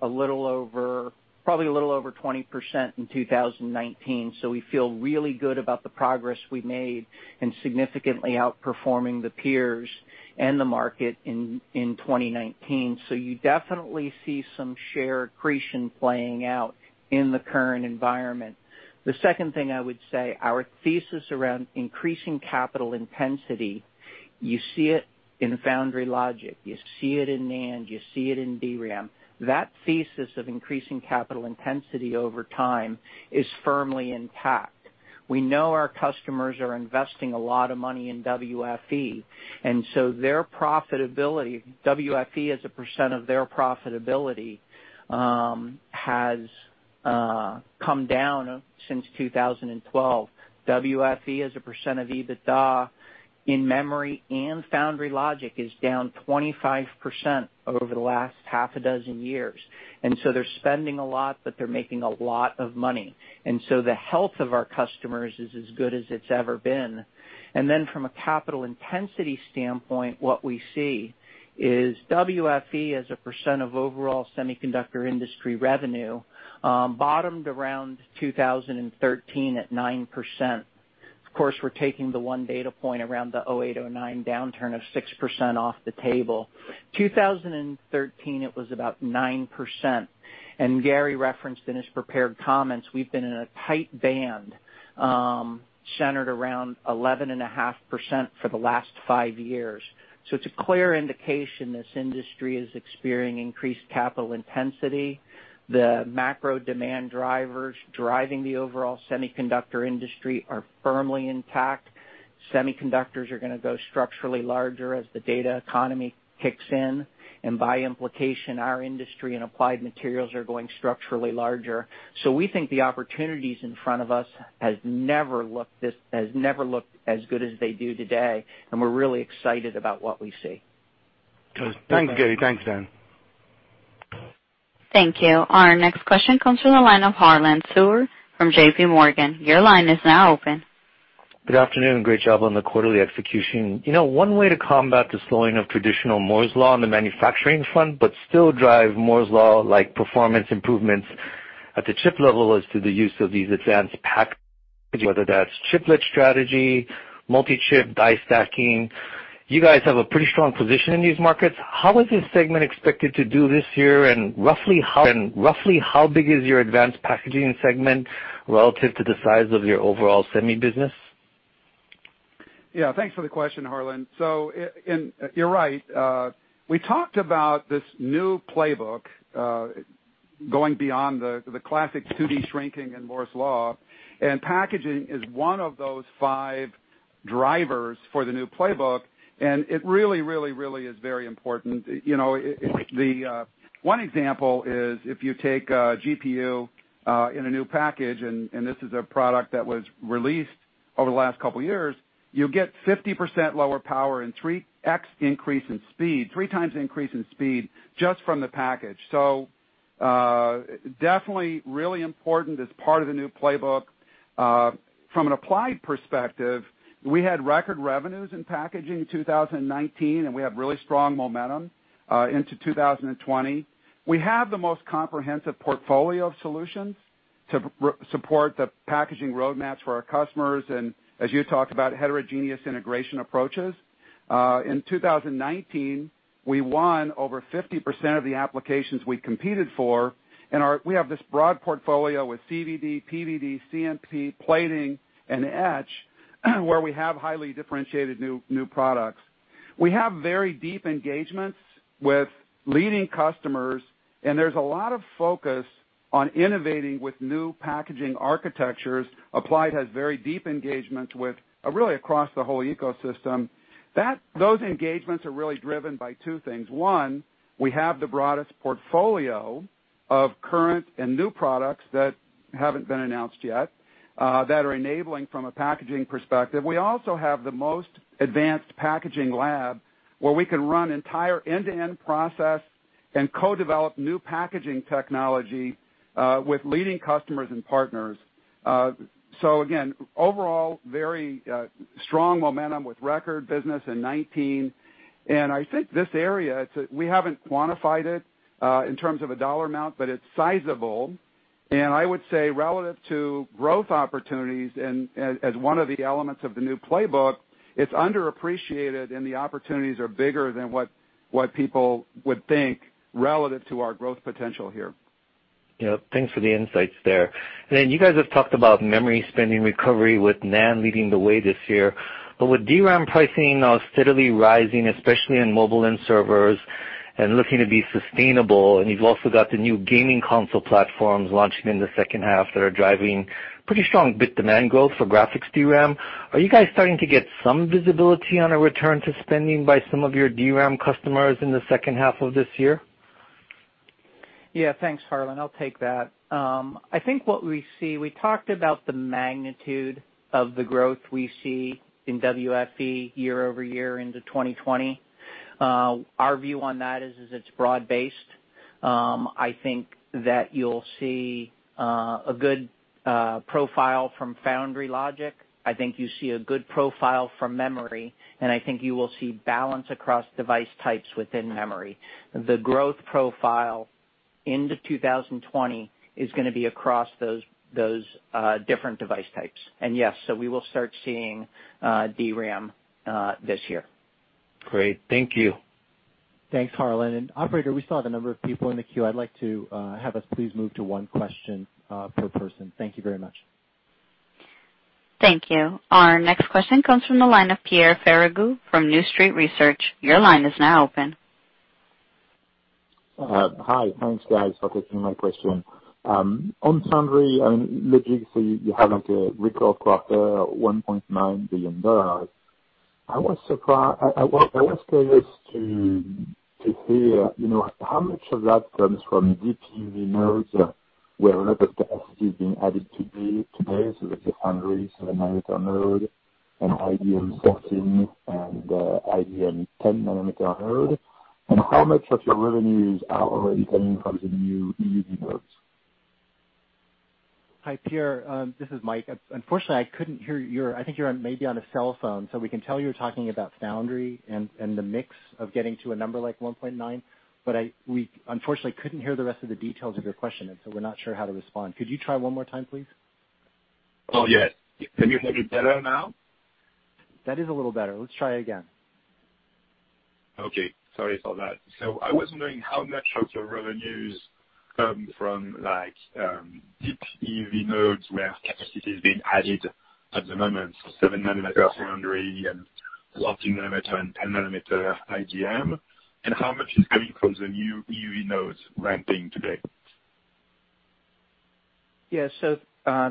probably a little over 20% in 2019. We feel really good about the progress we made in significantly outperforming the peers and the market in 2019. You definitely see some share accretion playing out in the current environment. The second thing I would say, our thesis around increasing capital intensity, you see it in foundry logic, you see it in NAND, you see it in DRAM. That thesis of increasing capital intensity over time is firmly intact. We know our customers are investing a lot of money in WFE, their profitability, WFE as a percent of their profitability, has come down since 2012. WFE as a percent of EBITDA in memory and foundry logic is down 25% over the last 6 years. They're spending a lot, but they're making a lot of money, the health of our customers is as good as it's ever been. From a capital intensity standpoint, what we see is WFE as a percent of overall semiconductor industry revenue bottomed around 2013 at 9%. Of course, we're taking the one data point around the '08, '09 downturn of 6% off the table. 2013, it was about 9%, and Gary referenced in his prepared comments, we've been in a tight band, centered around 11.5% for the last five years. It's a clear indication this industry is experiencing increased capital intensity. The macro demand drivers driving the overall semiconductor industry are firmly intact. Semiconductors are going to go structurally larger as the data economy kicks in, and by implication, our industry and Applied Materials are going structurally larger. We think the opportunities in front of us has never looked as good as they do today, and we're really excited about what we see. Good. Thanks, Gary. Thanks, Dan. Thank you. Our next question comes from the line of Harlan Sur from J.P. Morgan. Your line is now open. Good afternoon. Great job on the quarterly execution. One way to combat the slowing of traditional Moore's Law on the manufacturing front, but still drive Moore's Law-like performance improvements at the chip level is through the use of these advanced packages, whether that's chiplet strategy, multi-chip die stacking. You guys have a pretty strong position in these markets. How is this segment expected to do this year, and roughly how big is your advanced packaging segment relative to the size of your overall semi business? Yeah, thanks for the question, Harlan. You're right. We talked about this new playbook, going beyond the classic 2D shrinking and Moore's Law, and packaging is one of those five drivers for the new playbook, and it really is very important. One example is if you take a GPU in a new package, and this is a product that was released over the last couple of years, you get 50% lower power and 3x increase in speed, three times increase in speed, just from the package. Definitely really important as part of the new playbook. From an Applied perspective, we had record revenues in packaging 2019, and we have really strong momentum into 2020. We have the most comprehensive portfolio of solutions to support the packaging roadmaps for our customers and, as you talked about, heterogeneous integration approaches. In 2019, we won over 50% of the applications we competed for, and we have this broad portfolio with CVD, PVD, CMP, plating, and etch, where we have highly differentiated new products. We have very deep engagements with leading customers, and there's a lot of focus on innovating with new packaging architectures. Applied has very deep engagements with really across the whole ecosystem. Those engagements are really driven by two things. One, we have the broadest portfolio of current and new products that haven't been announced yet, that are enabling from a packaging perspective. We also have the most advanced packaging lab, where we can run entire end-to-end process and co-develop new packaging technology with leading customers and partners. Again, overall, very strong momentum with record business in 2019, and I think this area, we haven't quantified it in terms of a dollar amount, but it's sizable. I would say relative to growth opportunities and as one of the elements of the new playbook, it's underappreciated and the opportunities are bigger than what people would think relative to our growth potential here. Thanks for the insights there. You guys have talked about memory spending recovery with NAND leading the way this year. With DRAM pricing now steadily rising, especially in mobile end servers and looking to be sustainable, and you've also got the new gaming console platforms launching in the second half that are driving pretty strong bit demand growth for graphics DRAM, are you guys starting to get some visibility on a return to spending by some of your DRAM customers in the second half of this year? Thanks, Harlan. I'll take that. I think what we see, we talked about the magnitude of the growth we see in WFE YoY into 2020. Our view on that is it's broad-based. I think that you'll see a good profile from foundry logic. I think you see a good profile from memory, and I think you will see balance across device types within memory. The growth profile into 2020 is going to be across those different device types. Yes, we will start seeing DRAM this year. Great. Thank you. Thanks, Harlan. Operator, we still have a number of people in the queue. I'd like to have us please move to one question per person. Thank you very much. Thank you. Our next question comes from the line of Pierre Ferragu from New Street Research. Your line is now open. Hi. Thanks, guys, for taking my question. On foundry, logically, you're having a record quarter, $1.9 billion. I was curious to see how much of that comes from deep UV nodes, where a lot of capacity is being added today. That's a foundry, seven nanometer node, IDM 14, IDM 10 nanometer node. How much of your revenues are already coming from the new EUV nodes? Hi, Pierre. This is Mike. Unfortunately, I couldn't hear you. I think you're maybe on a cell phone, so we can tell you're talking about foundry and the mix of getting to a number like $1.9. We unfortunately couldn't hear the rest of the details of your question. We're not sure how to respond. Could you try one more time, please? Oh, yes. Can you hear me better now? That is a little better. Let's try again. Okay. Sorry for that. I was wondering how much of your revenues come from deep UV nodes where capacity is being added at the moment, seven nanometer foundry and 14 nanometer and 10 nanometer IDM, and how much is coming from the new EUV nodes ramping today. Yeah.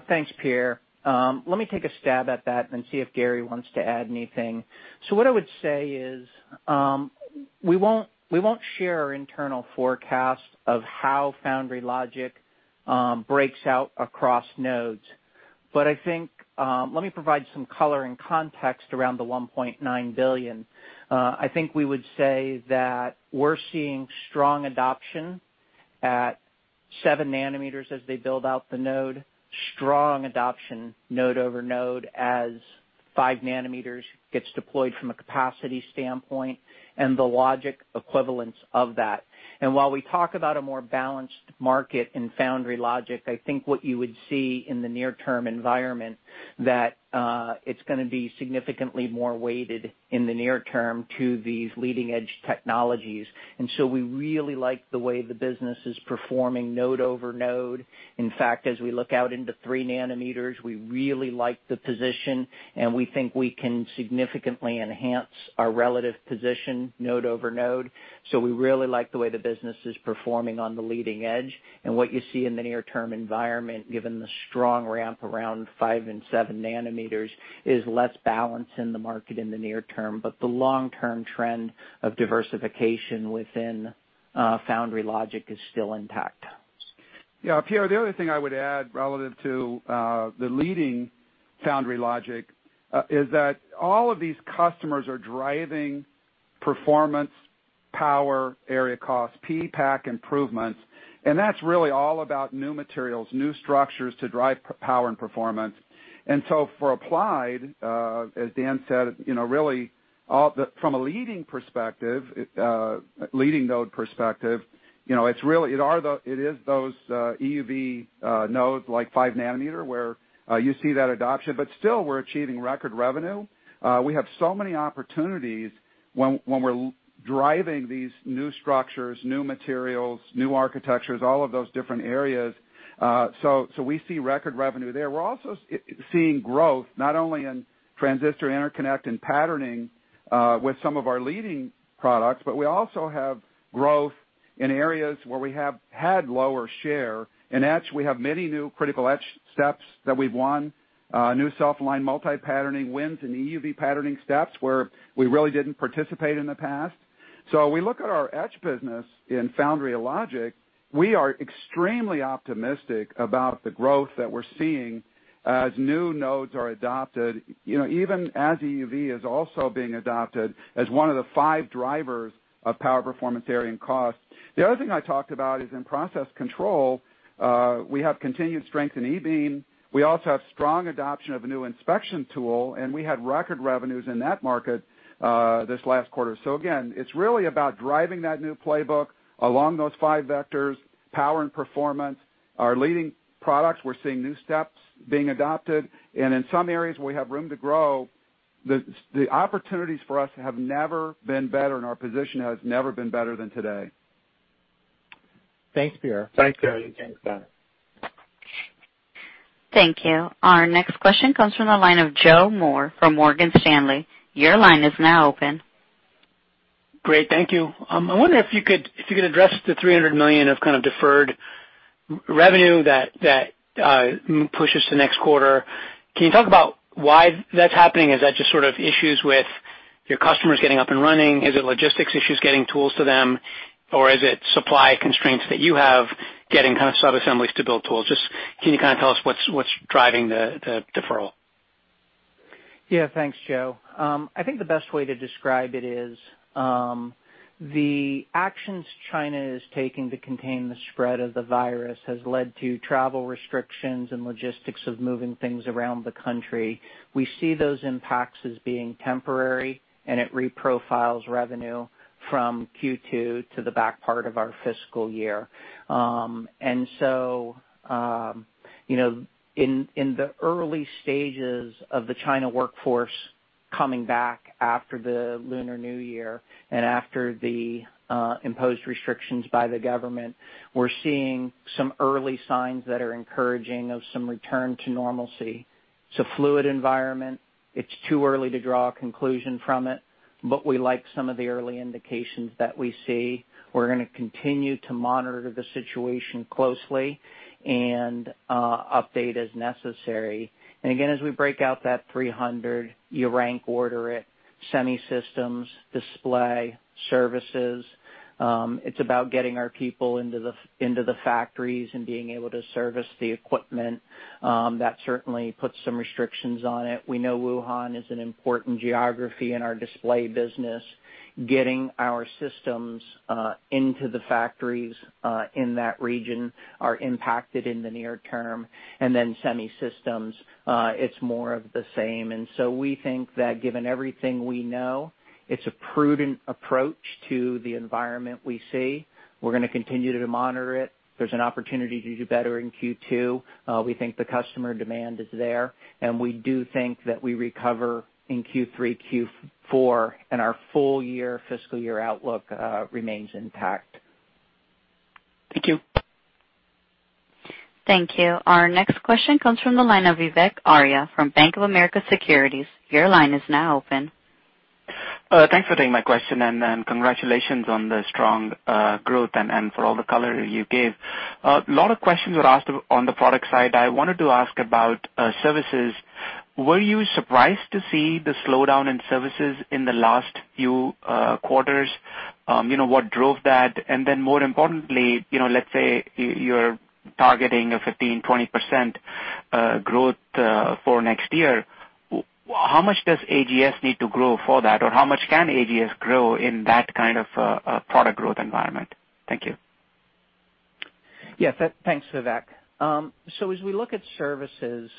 Thanks, Pierre. Let me take a stab at that and see if Gary wants to add anything. What I would say is, we won't share our internal forecasts of how foundry logic breaks out across nodes. I think, let me provide some color and context around the $1.9 billion. I think we would say that we're seeing strong adoption at 7 nanometers as they build out the node, strong adoption node over node as 5 nanometers gets deployed from a capacity standpoint and the logic equivalence of that. While we talk about a more balanced market in foundry logic, I think what you would see in the near-term environment, that it's going to be significantly more weighted in the near term to these leading-edge technologies. We really like the way the business is performing node over node. In fact, as we look out into 3 nanometers, we really like the position, and we think we can significantly enhance our relative position node over node. We really like the way the business is performing on the leading edge. What you see in the near-term environment, given the strong ramp around 5 and 7 nanometers, is less balance in the market in the near term. The long-term trend of diversification within foundry logic is still intact. Yeah, Pierre, the other thing I would add relative to the leading foundry logic is that all of these customers are driving performance, power, area cost, PPAC improvements, and that's really all about new materials, new structures to drive power and performance. For Applied, as Dan said, really from a leading node perspective, it is those EUV nodes like 5 nanometer, where you see that adoption. Still, we're achieving record revenue. We have so many opportunities when we're driving these new structures, new materials, new architectures, all of those different areas. We see record revenue there. We're also seeing growth not only in transistor interconnect and patterning with some of our leading products, but we also have growth in areas where we have had lower share. In etch, we have many new critical etch steps that we've won, new self-aligned multi-patterning wins in EUV patterning steps where we really didn't participate in the past. We look at our etch business in foundry logic, we are extremely optimistic about the growth that we're seeing as new nodes are adopted, even as EUV is also being adopted as one of the five drivers of power, performance, area, and cost. The other thing I talked about is in process control, we have continued strength in e-beam. We also have strong adoption of a new inspection tool, and we had record revenues in that market this last quarter. Again, it's really about driving that new playbook along those five vectors, power and performance. Our leading products, we're seeing new steps being adopted. In some areas where we have room to grow, the opportunities for us have never been better, and our position has never been better than today. Thanks, Pierre. Thanks, Gary. Thanks, Dan. Thank you. Our next question comes from the line of Joe Moore from Morgan Stanley. Your line is now open. Great. Thank you. I wonder if you could address the $300 million of kind of deferred revenue that pushes to next quarter. Can you talk about why that's happening? Is that just sort of issues with your customers getting up and running? Is it logistics issues getting tools to them, or is it supply constraints that you have getting kind of sub-assemblies to build tools? Just can you kind of tell us what's driving the deferral? Yeah. Thanks, Joe. I think the best way to describe it is, the actions China is taking to contain the spread of the coronavirus has led to travel restrictions and logistics of moving things around the country. We see those impacts as being temporary. It reprofiles revenue from Q2 to the back part of our fiscal year. In the early stages of the China workforce coming back after the Lunar New Year and after the imposed restrictions by the government, we're seeing some early signs that are encouraging of some return to normalcy. It's a fluid environment. It's too early to draw a conclusion from it. But we like some of the early indications that we see. We're going to continue to monitor the situation closely and update as necessary. Again, as we break out that 300, you rank order it, semi systems, display, services. It's about getting our people into the factories and being able to service the equipment. That certainly puts some restrictions on it. We know Wuhan is an important geography in our display business. Getting our systems into the factories in that region are impacted in the near term. Semi systems, it's more of the same. We think that given everything we know, it's a prudent approach to the environment we see. We're going to continue to monitor it. There's an opportunity to do better in Q2. We think the customer demand is there, and we do think that we recover in Q3, Q4, and our full year fiscal year outlook remains intact. Thank you. Thank you. Our next question comes from the line of Vivek Arya from Bank of America Securities. Your line is now open. Thanks for taking my question. Congratulations on the strong growth and for all the color you gave. A lot of questions were asked on the product side. I wanted to ask about services. Were you surprised to see the slowdown in services in the last few quarters? What drove that? More importantly, let's say you're targeting a 15%-20% growth for next year. How much does AGS need to grow for that? How much can AGS grow in that kind of product growth environment? Thank you. Yes. Thanks, Vivek. As we look at services,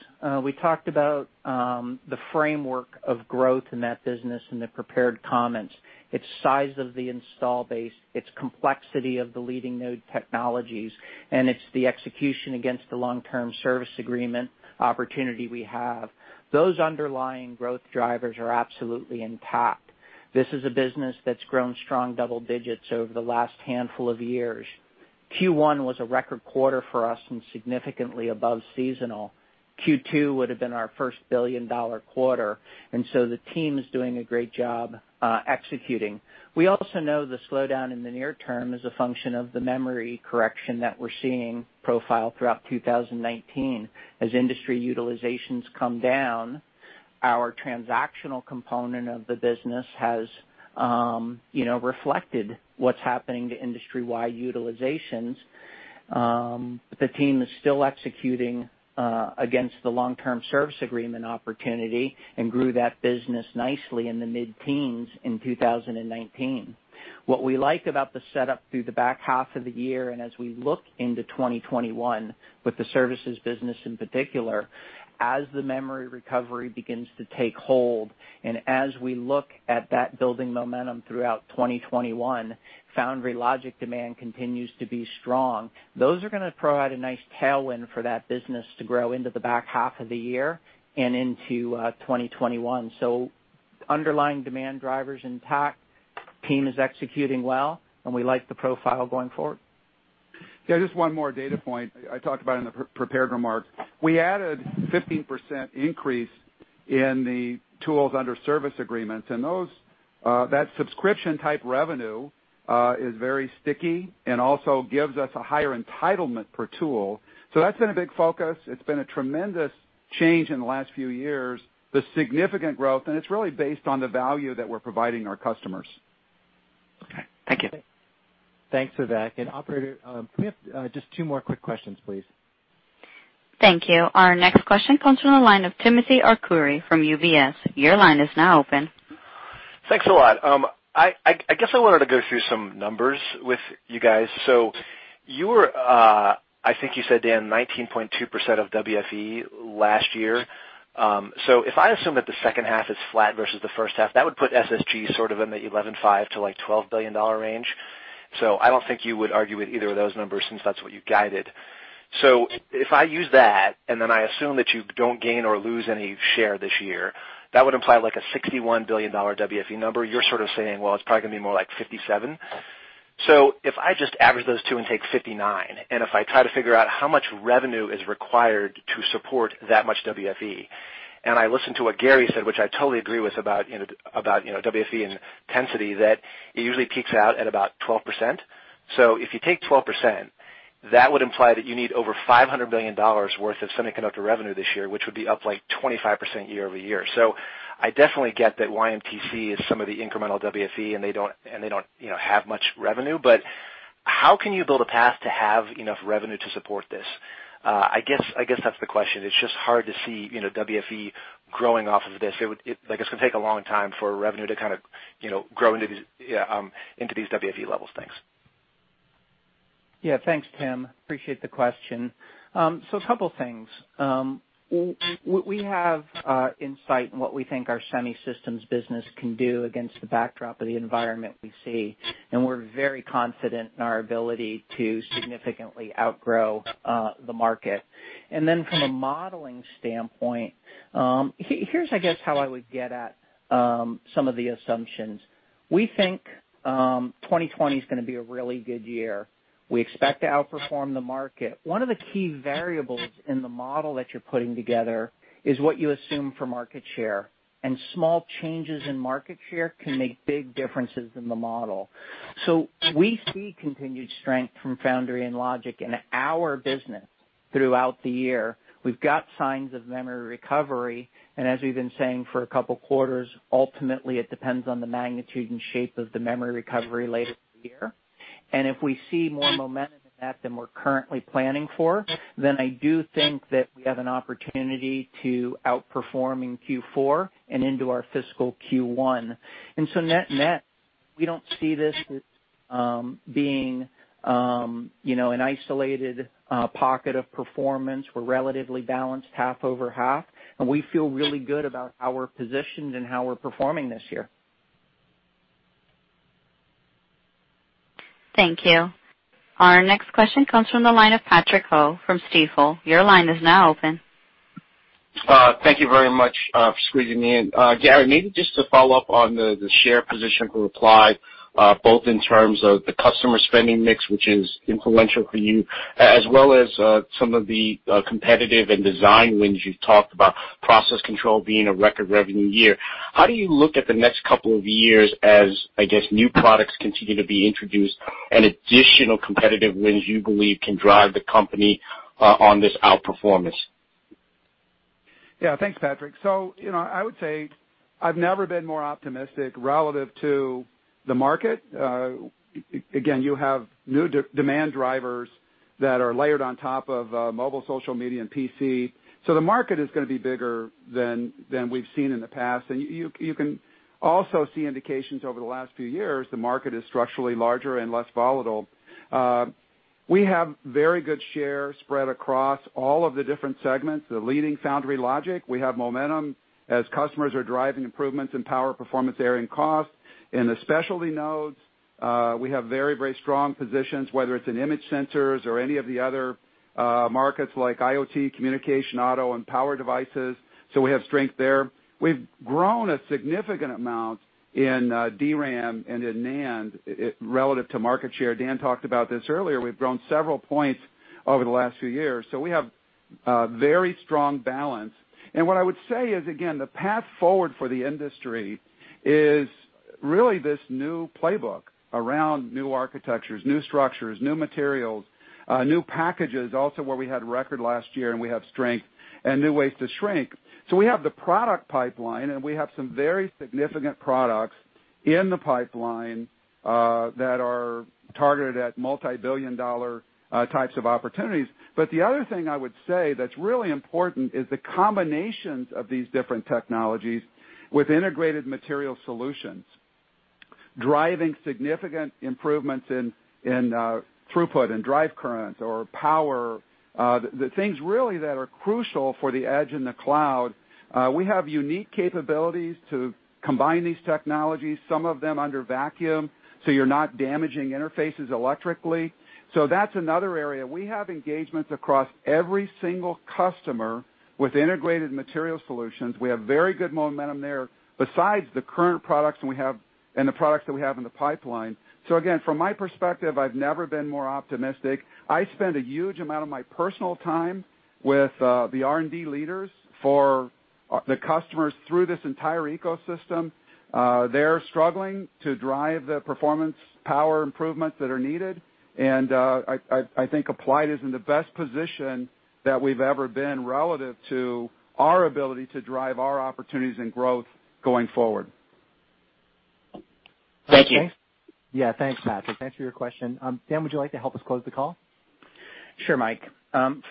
we talked about the framework of growth in that business in the prepared comments. It's size of the install base, it's complexity of the leading node technologies, and it's the execution against the long-term service agreement opportunity we have. Those underlying growth drivers are absolutely intact. This is a business that's grown strong double digits over the last handful of years. Q1 was a record quarter for us and significantly above seasonal. Q2 would've been our first billion-dollar quarter. The team is doing a great job executing. We also know the slowdown in the near term is a function of the memory correction that we're seeing profile throughout 2019. As industry utilizations come down, our transactional component of the business has reflected what's happening to industry-wide utilizations. The team is still executing against the long-term service agreement opportunity and grew that business nicely in the mid-teens in 2019. What we like about the setup through the back half of the year, and as we look into 2021, with the services business in particular, as the memory recovery begins to take hold, and as we look at that building momentum throughout 2021, foundry logic demand continues to be strong. Those are going to provide a nice tailwind for that business to grow into the back half of the year and into 2021. Underlying demand driver's intact, team is executing well, and we like the profile going forward. Yeah, just one more data point I talked about in the prepared remarks. We added 15% increase in the tools under service agreements, that subscription type revenue is very sticky and also gives us a higher entitlement per tool. That's been a big focus. It's been a tremendous change in the last few years, the significant growth, it's really based on the value that we're providing our customers. Okay. Thank you. Thanks, Vivek. Operator, can we have just two more quick questions, please? Thank you. Our next question comes from the line of Timothy Arcuri from UBS. Your line is now open. Thanks a lot. I guess I wanted to go through some numbers with you guys. You were, I think you said, Dan, 19.2% of WFE last year. If I assume that the second half is flat versus the first half, that would put SSG sort of in the $11.5 billion-$12 billion range. I don't think you would argue with either of those numbers, since that's what you guided. If I use that, and then I assume that you don't gain or lose any share this year, that would imply like a $61 billion WFE number. You're sort of saying, well, it's probably going to be more like $57 billion. If I just average those two and take 59, and if I try to figure out how much revenue is required to support that much WFE, and I listen to what Gary said, which I totally agree with about WFE intensity, that it usually peaks out at about 12%. If you take 12%, that would imply that you need over $500 billion worth of semiconductor revenue this year, which would be up like 25% YoY. I definitely get that YMTC is some of the incremental WFE and they don't have much revenue, but how can you build a path to have enough revenue to support this? I guess that's the question. It's just hard to see WFE growing off of this. Like it's going to take a long time for revenue to kind of grow into these WFE levels. Thanks. Yeah. Thanks, Tim. Appreciate the question. A couple of things. We have insight in what we think our semi systems business can do against the backdrop of the environment we see, and we're very confident in our ability to significantly outgrow the market. From a modeling standpoint, here's I guess how I would get at some of the assumptions. We think 2020's going to be a really good year. We expect to outperform the market. One of the key variables in the model that you're putting together is what you assume for market share, and small changes in market share can make big differences in the model. We see continued strength from foundry and logic in our business throughout the year. We've got signs of memory recovery, and as we've been saying for a couple of quarters, ultimately, it depends on the magnitude and shape of the memory recovery later this year. If we see more momentum in that than we're currently planning for, then I do think that we have an opportunity to outperform in Q4 and into our fiscal Q1. Net-net, we don't see this as being an isolated pocket of performance. We're relatively balanced half-over-half, and we feel really good about how we're positioned and how we're performing this year. Thank you. Our next question comes from the line of Patrick Ho from Stifel. Your line is now open. Thank you very much for squeezing me in. Gary, maybe just to follow up on the share position for Applied, both in terms of the customer spending mix, which is influential for you, as well as some of the competitive and design wins you've talked about, process control being a record revenue year. How do you look at the next couple of years as, I guess, new products continue to be introduced and additional competitive wins you believe can drive the company on this outperformance? Thanks, Patrick. I would say I've never been more optimistic relative to the market. You have new demand drivers that are layered on top of mobile, social media, and PC. The market is going to be bigger than we've seen in the past, and you can also see indications over the last few years the market is structurally larger and less volatile. We have very good share spread across all of the different segments, the leading foundry logic. We have momentum as customers are driving improvements in power, performance area, and cost. In the specialty nodes, we have very strong positions, whether it's in image sensors or any of the other markets like IoT, communication, auto, and power devices, we have strength there. We've grown a significant amount in DRAM and in NAND relative to market share. Dan talked about this earlier. We've grown several points over the last few years. We have a very strong balance. What I would say is, again, the path forward for the industry is really this new playbook around new architectures, new structures, new materials, new packages, also where we had record last year, and we have strength and new ways to shrink. We have the product pipeline, and we have some very significant products in the pipeline that are targeted at multi-billion-dollar types of opportunities. The other thing I would say that's really important is the combinations of these different technologies with integrated material solutions, driving significant improvements in throughput, in drive current or power, the things really that are crucial for the edge and the cloud. We have unique capabilities to combine these technologies, some of them under vacuum, so you're not damaging interfaces electrically. That's another area. We have engagements across every single customer with integrated material solutions. We have very good momentum there besides the current products, and the products that we have in the pipeline. Again, from my perspective, I've never been more optimistic. I spend a huge amount of my personal time with the R&D leaders for the customers through this entire ecosystem. They're struggling to drive the performance power improvements that are needed. I think Applied is in the best position that we've ever been relative to our ability to drive our opportunities and growth going forward. Thank you. Yeah. Thanks, Patrick. Thanks for your question. Dan, would you like to help us close the call? Sure, Mike.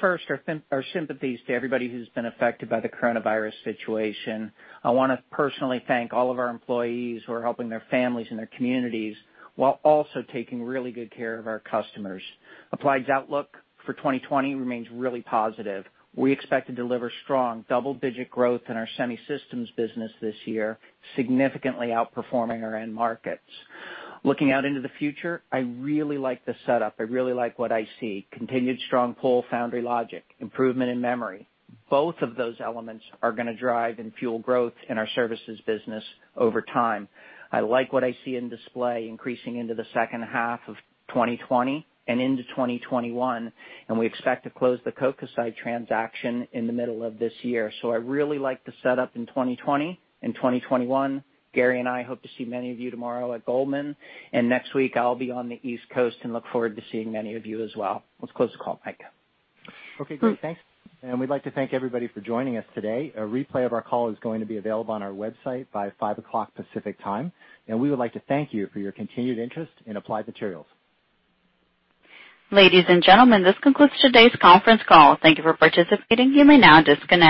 First, our sympathies to everybody who's been affected by the coronavirus situation. I want to personally thank all of our employees who are helping their families and their communities while also taking really good care of our customers. Applied's outlook for 2020 remains really positive. We expect to deliver strong double-digit growth in our Semisystems business this year, significantly outperforming our end markets. Looking out into the future, I really like the setup. I really like what I see. Continued strong pull foundry logic, improvement in memory. Both of those elements are going to drive and fuel growth in our services business over time. I like what I see in display increasing into the second half of 2020 and into 2021, and we expect to close the Kokusai transaction in the middle of this year. I really like the setup in 2020 and 2021. Gary and I hope to see many of you tomorrow at Goldman, and next week, I'll be on the East Coast and look forward to seeing many of you as well. Let's close the call, Mike. Okay, great. Thanks. We'd like to thank everybody for joining us today. A replay of our call is going to be available on our website by 5:00 P.M. Pacific Time, and we would like to thank you for your continued interest in Applied Materials. Ladies and gentlemen, this concludes today's conference call. Thank you for participating. You may now disconnect.